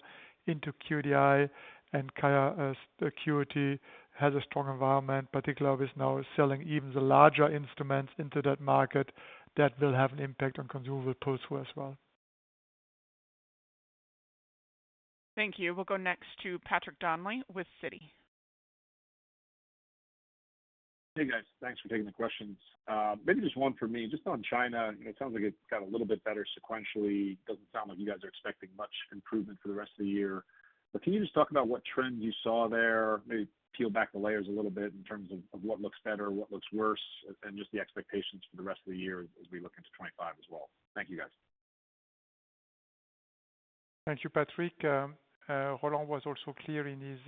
into QIA, and QIAcuity has a strong environment, particularly with now selling even the larger instruments into that market that will have an impact on consumable tools as well. Thank you. We'll go next to Patrick Donnelly with CITI. Hey, guys. Thanks for taking the questions. Maybe just one for me. Just on China, it sounds like it got a little bit better sequentially. Doesn't sound like you guys are expecting much improvement for the rest of the year. But can you just talk about what trends you saw there? Maybe peel back the layers a little bit in terms of what looks better, what looks worse, and just the expectations for the rest of the year as we look into 2025 as well. Thank you, guys. Thank you, Patrick. Roland was also clear in his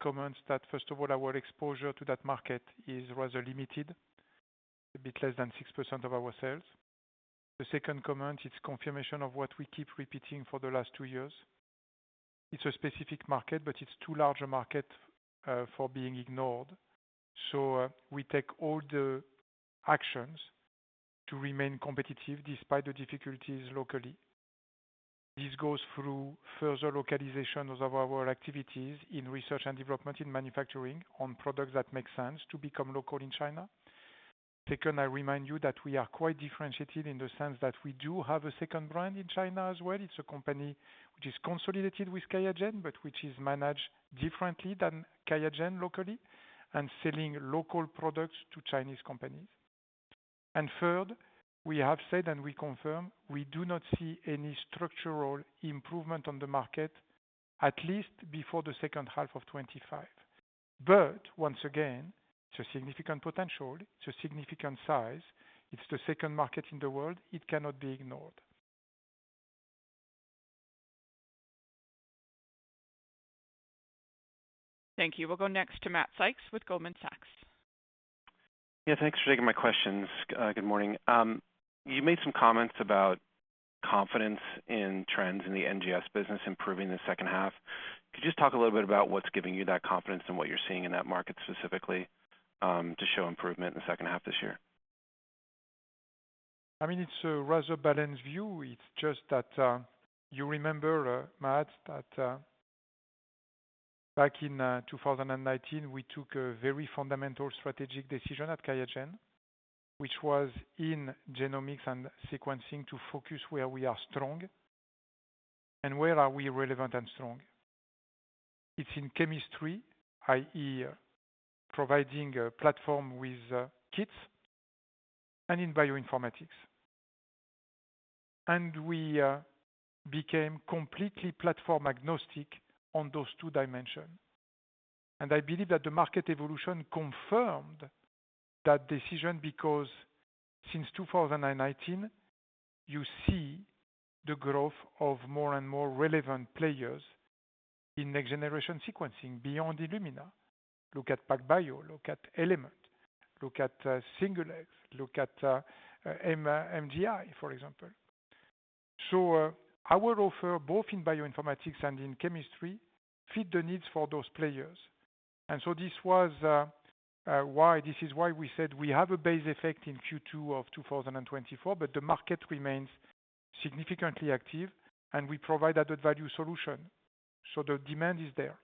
comments that, first of all, our exposure to that market is rather limited, a bit less than 6% of our sales. The second comment is confirmation of what we keep repeating for the last two years. It's a specific market, but it's too large a market for being ignored. So we take all the actions to remain competitive despite the difficulties locally. This goes through further localization of our activities in research and development in manufacturing on products that make sense to become local in China. Second, I remind you that we are quite differentiated in the sense that we do have a second brand in China as well. It's a company which is consolidated with QIAGEN, but which is managed differently than QIAGEN locally and selling local products to Chinese companies. And third, we have said and we confirm we do not see any structural improvement on the market, at least before the second half of 2025. But once again, it's a significant potential. It's a significant size. It's the second market in the world. It cannot be ignored. Thank you. We'll go next to Matt Sykes with Goldman Sachs. Yeah. Thanks for taking my questions. Good morning. You made some comments about confidence in trends in the NGS business improving the second half. Could you just talk a little bit about what's giving you that confidence and what you're seeing in that market specifically to show improvement in the second half this year? I mean, it's a rather balanced view. It's just that you remember, Matt, that back in 2019, we took a very fundamental strategic decision at QIAGEN, which was in genomics and sequencing to focus where we are strong and where are we relevant and strong. It's in chemistry, i.e., providing a platform with kits, and in bioinformatics. And we became completely platform agnostic on those two dimensions. And I believe that the market evolution confirmed that decision because since 2019, you see the growth of more and more relevant players in next-generation sequencing beyond Illumina. Look at PacBio, look at Element, look at Singular, look at MGI, for example. So our offer, both in bioinformatics and in chemistry, fits the needs for those players. And so this was why this is why we said we have a base effect in Q2 of 2024, but the market remains significantly active, and we provide added value solutions. So the demand is there.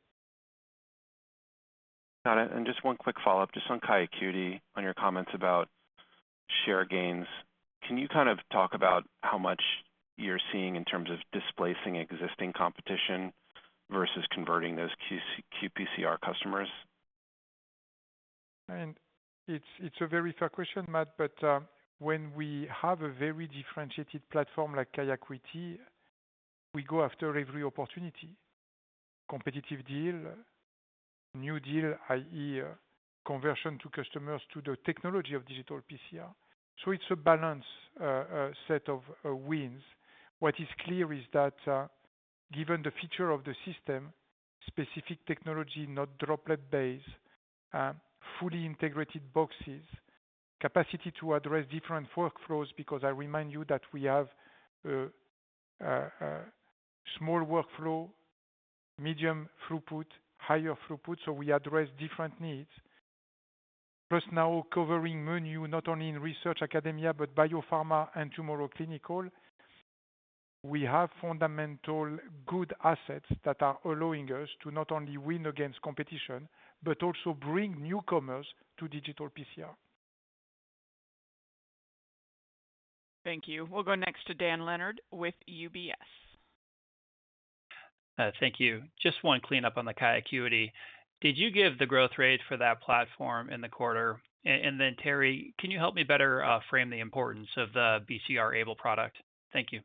Got it. And just one quick follow-up, just on QIAcuity, on your comments about share gains. Can you kind of talk about how much you're seeing in terms of displacing existing competition versus converting those QPCR customers? And it's a very fair question, Matt, but when we have a very differentiated platform like QIAcuity, we go after every opportunity: competitive deal, new deal, i.e., conversion to customers to the technology of digital PCR. So it's a balanced set of wins. What is clear is that given the feature of the system, specific technology, not droplet-based, fully integrated boxes, capacity to address different workflows because I remind you that we have a small workflow, medium throughput, higher throughput, so we address different needs. Plus now covering menu, not only in research academia but biopharma and tomorrow clinical, we have fundamental good assets that are allowing us to not only win against competition but also bring newcomers to digital PCR. Thank you. We'll go next to Dan Leonard with UBS. Thank you. Just one cleanup on the QIAcuity. Did you give the growth rate for that platform in the quarter? And then Thierry, can you help me better frame the importance of the BCR-ABL product? Thank you.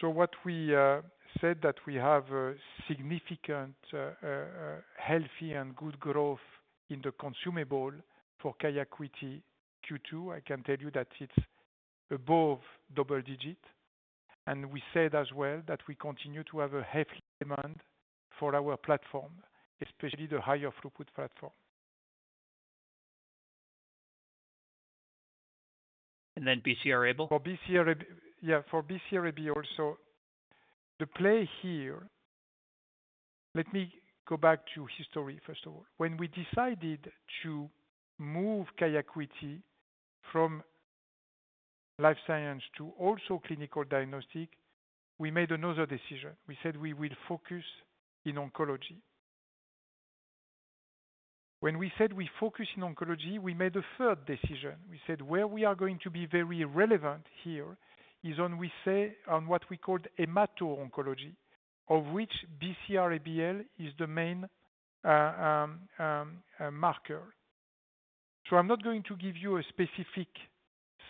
So what we said that we have significant, healthy, and good growth in the consumable for QIAcuity Q2. I can tell you that it's above double digit. And we said as well that we continue to have a healthy demand for our platform, especially the higher throughput platform. And then BCR-ABL? For BCR-ABL, yeah, for BCR-ABL also, the play here, let me go back to history first of all. When we decided to move QIAcuity from life science to also clinical diagnostic, we made another decision. We said we will focus in oncology. When we said we focus in oncology, we made a third decision. We said where we are going to be very relevant here is on what we called hemato-oncology, of which BCR-ABL is the main marker. So I'm not going to give you a specific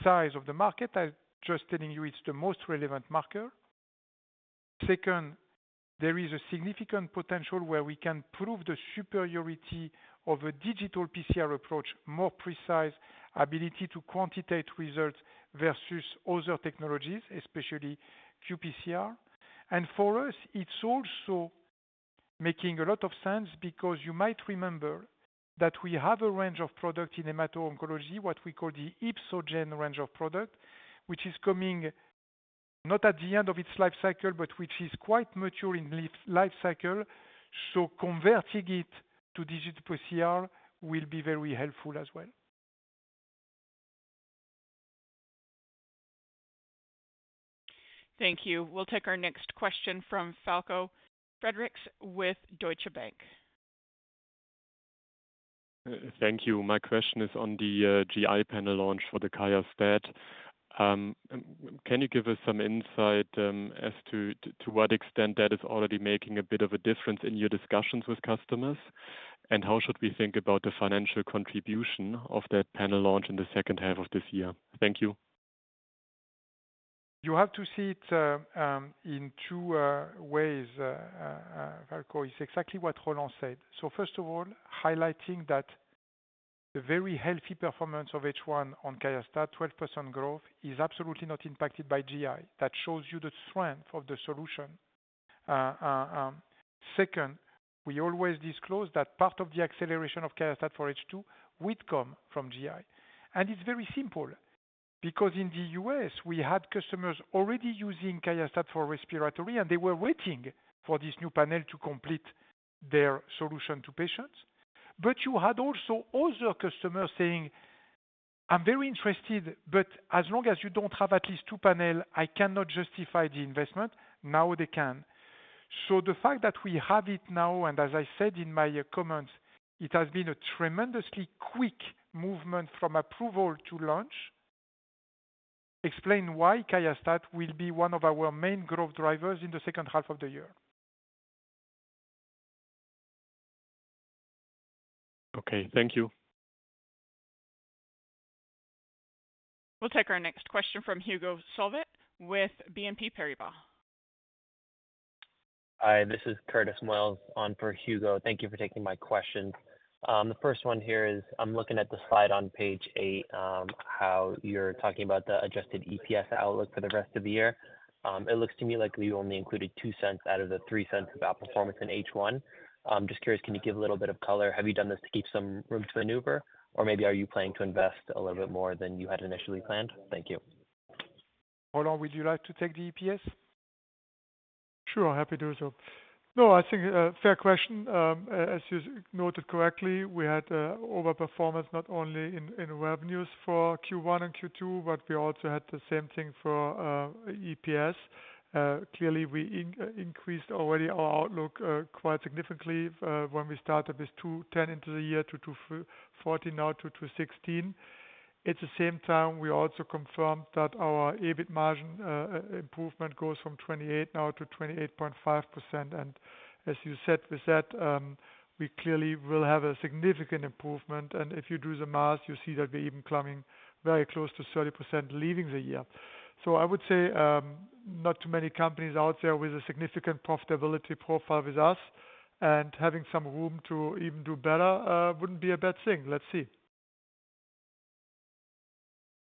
size of the market. I'm just telling you it's the most relevant marker. Second, there is a significant potential where we can prove the superiority of a digital PCR approach, more precise ability to quantitate results versus other technologies, especially QPCR. For us, it's also making a lot of sense because you might remember that we have a range of products in hemato-oncology, what we call the Ipsogen range of product, which is coming not at the end of its life cycle, but which is quite mature in life cycle. So converting it to digital PCR will be very helpful as well. Thank you. We'll take our next question from Falco Fredericks with Deutsche Bank. Thank you. My question is on the GI panel launch for the QIAstat. Can you give us some insight as to what extent that is already making a bit of a difference in your discussions with customers? And how should we think about the financial contribution of that panel launch in the second half of this year? Thank you. You have to see it in two ways, Falco. It's exactly what Roland said. So first of all, highlighting that the very healthy performance of H1 on QIAstat, 12% growth, is absolutely not impacted by GI. That shows you the strength of the solution. Second, we always disclose that part of the acceleration of QIAstat for H2 would come from GI. And it's very simple because in the U.S., we had customers already using QIAstat for respiratory, and they were waiting for this new panel to complete their solution to patients. But you had also other customers saying, "I'm very interested, but as long as you don't have at least two panels, I cannot justify the investment." Now they can. So the fact that we have it now, and as I said in my comments, it has been a tremendously quick movement from approval to launch. Explain why QIAstat will be one of our main growth drivers in the second half of the year. Okay. Thank you. We'll take our next question from Hugo Solvet with BNP Paribas. Hi, this is Curtis Wells on for Hugo. Thank you for taking my questions. The first one here is, I'm looking at the slide on page 8, how you're talking about the adjusted EPS outlook for the rest of the year. It looks to me like you only included $0.02 out of the $0.03 of outperformance in H1. I'm just curious, can you give a little bit of color? Have you done this to keep some room to maneuver, or maybe are you planning to invest a little bit more than you had initially planned? Thank you. Roland, would you like to take the EPS? Sure. Happy to do so. No, I think a fair question. As you noted correctly, we had overperformance not only in revenues for Q1 and Q2, but we also had the same thing for EPS. Clearly, we increased already our outlook quite significantly when we started with 10 into the year to 40, now to 16. At the same time, we also confirmed that our EBIT margin improvement goes from 28% now to 28.5%. And as you said, we said we clearly will have a significant improvement. And if you do the math, you see that we're even coming very close to 30% leaving the year. So I would say not too many companies out there with a significant profitability profile with us, and having some room to even do better wouldn't be a bad thing. Let's see.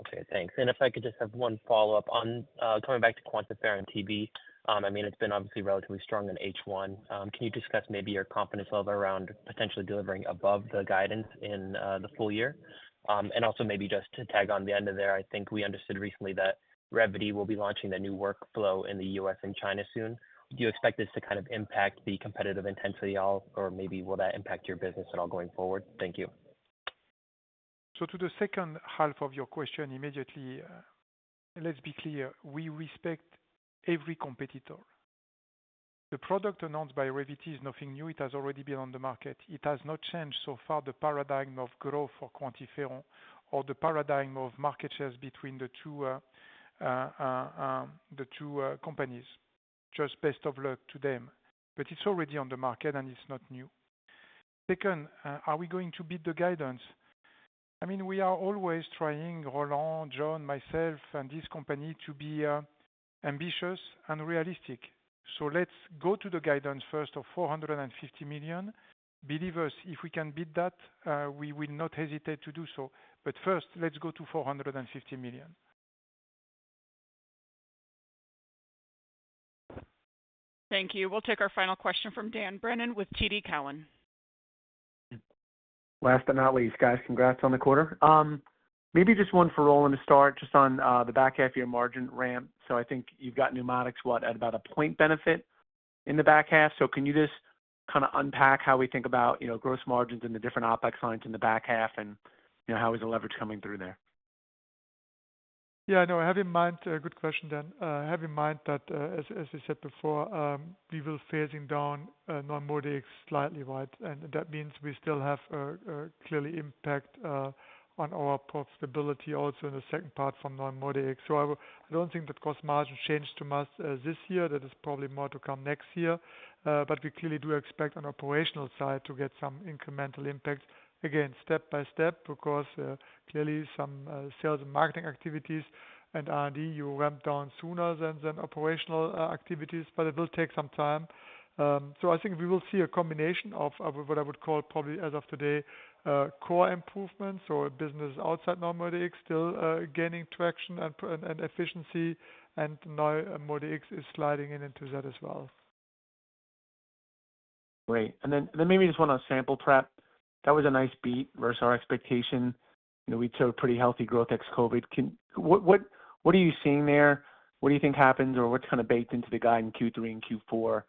Okay. Thanks. If I could just have one follow-up on coming back to QuantiFERON and TB, I mean, it's been obviously relatively strong in H1. Can you discuss maybe your confidence level around potentially delivering above the guidance in the full year? And also maybe just to tag on the end of there, I think we understood recently that Revvity will be launching the new workflow in the U.S. and China soon. Do you expect this to kind of impact the competitive intensity at all, or maybe will that impact your business at all going forward? Thank you. To the second half of your question immediately, let's be clear. We respect every competitor. The product announced by Revvity is nothing new. It has already been on the market. It has not changed so far the paradigm of growth for QuantiFERON or the paradigm of market shares between the two companies. Just best of luck to them. But it's already on the market, and it's not new. Second, are we going to beat the guidance? I mean, we are always trying, Roland, John, myself, and this company to be ambitious and realistic. So let's go to the guidance first of $450 million. Believe us, if we can beat that, we will not hesitate to do so. But first, let's go to $450 million. Thank you. We'll take our final question from Dan Brennan with TD Cowen. Last but not least, guys, congrats on the quarter. Maybe just one for Roland to start, just on the back half of your margin ramp. So I think you've got Pneumatics, what, at about a point benefit in the back half? So can you just kind of unpack how we think about gross margins in the different OpEx lines in the back half and how is the leverage coming through there? Yeah. No, I have in mind a good question, Dan. I have in mind that, as I said before, we will be phasing down non-MODEX slightly, right? And that means we still have a clear impact on our profitability also in the second part from non-MODEX. So I don't think that gross margin changed too much this year. That is probably more to come next year. But we clearly do expect on the operational side to get some incremental impact, again, step by step, because clearly some sales and marketing activities and R&D you ramp down sooner than operational activities, but it will take some time. So I think we will see a combination of what I would call probably as of today, core improvements. So business outside non-MODEX still gaining traction and efficiency, and now MODEX is sliding in into that as well. Great. And then maybe just one on sample prep. That was a nice beat versus our expectation. We took pretty healthy growth ex-COVID. What are you seeing there? What do you think happens, or what's kind of baked into the guide in Q3 and Q4?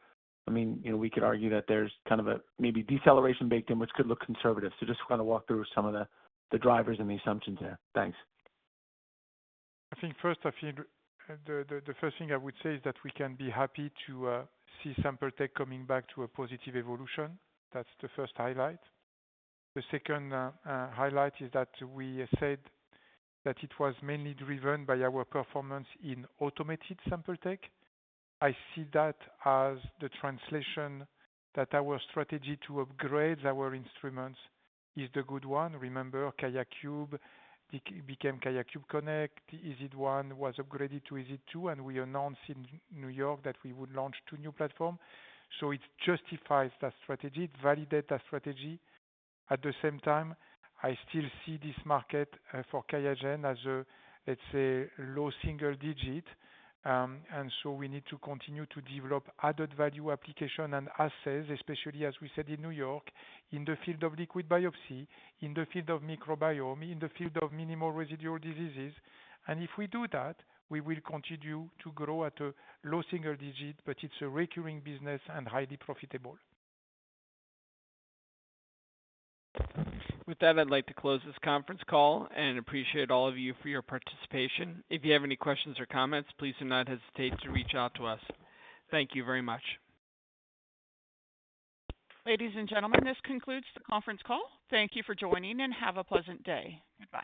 I mean, we could argue that there's kind of a maybe deceleration baked in, which could look conservative. So just kind of walk through some of the drivers and the assumptions there. Thanks. I think first, I think the first thing I would say is that we can be happy to see sample tech coming back to a positive evolution. That's the first highlight. The second highlight is that we said that it was mainly driven by our performance in automated sample tech. I see that as the translation that our strategy to upgrade our instruments is the good one. Remember, QIAcube became QIAcube Connect. EZ1 was upgraded to EZ2 Connect, and we announced in New York that we would launch two new platforms. So it justifies that strategy. It validates that strategy. At the same time, I still see this market for QIAGEN as a, let's say, low single digit. And so we need to continue to develop added value application and assets, especially, as we said in New York, in the field of liquid biopsy, in the field of microbiome, in the field of minimal residual diseases. And if we do that, we will continue to grow at a low single digit, but it's a recurring business and highly profitable. With that, I'd like to close this conference call and appreciate all of you for your participation. If you have any questions or comments, please do not hesitate to reach out to us. Thank you very much. Ladies and gentlemen, this concludes the conference call. Thank you for joining, and have a pleasant day. Goodbye.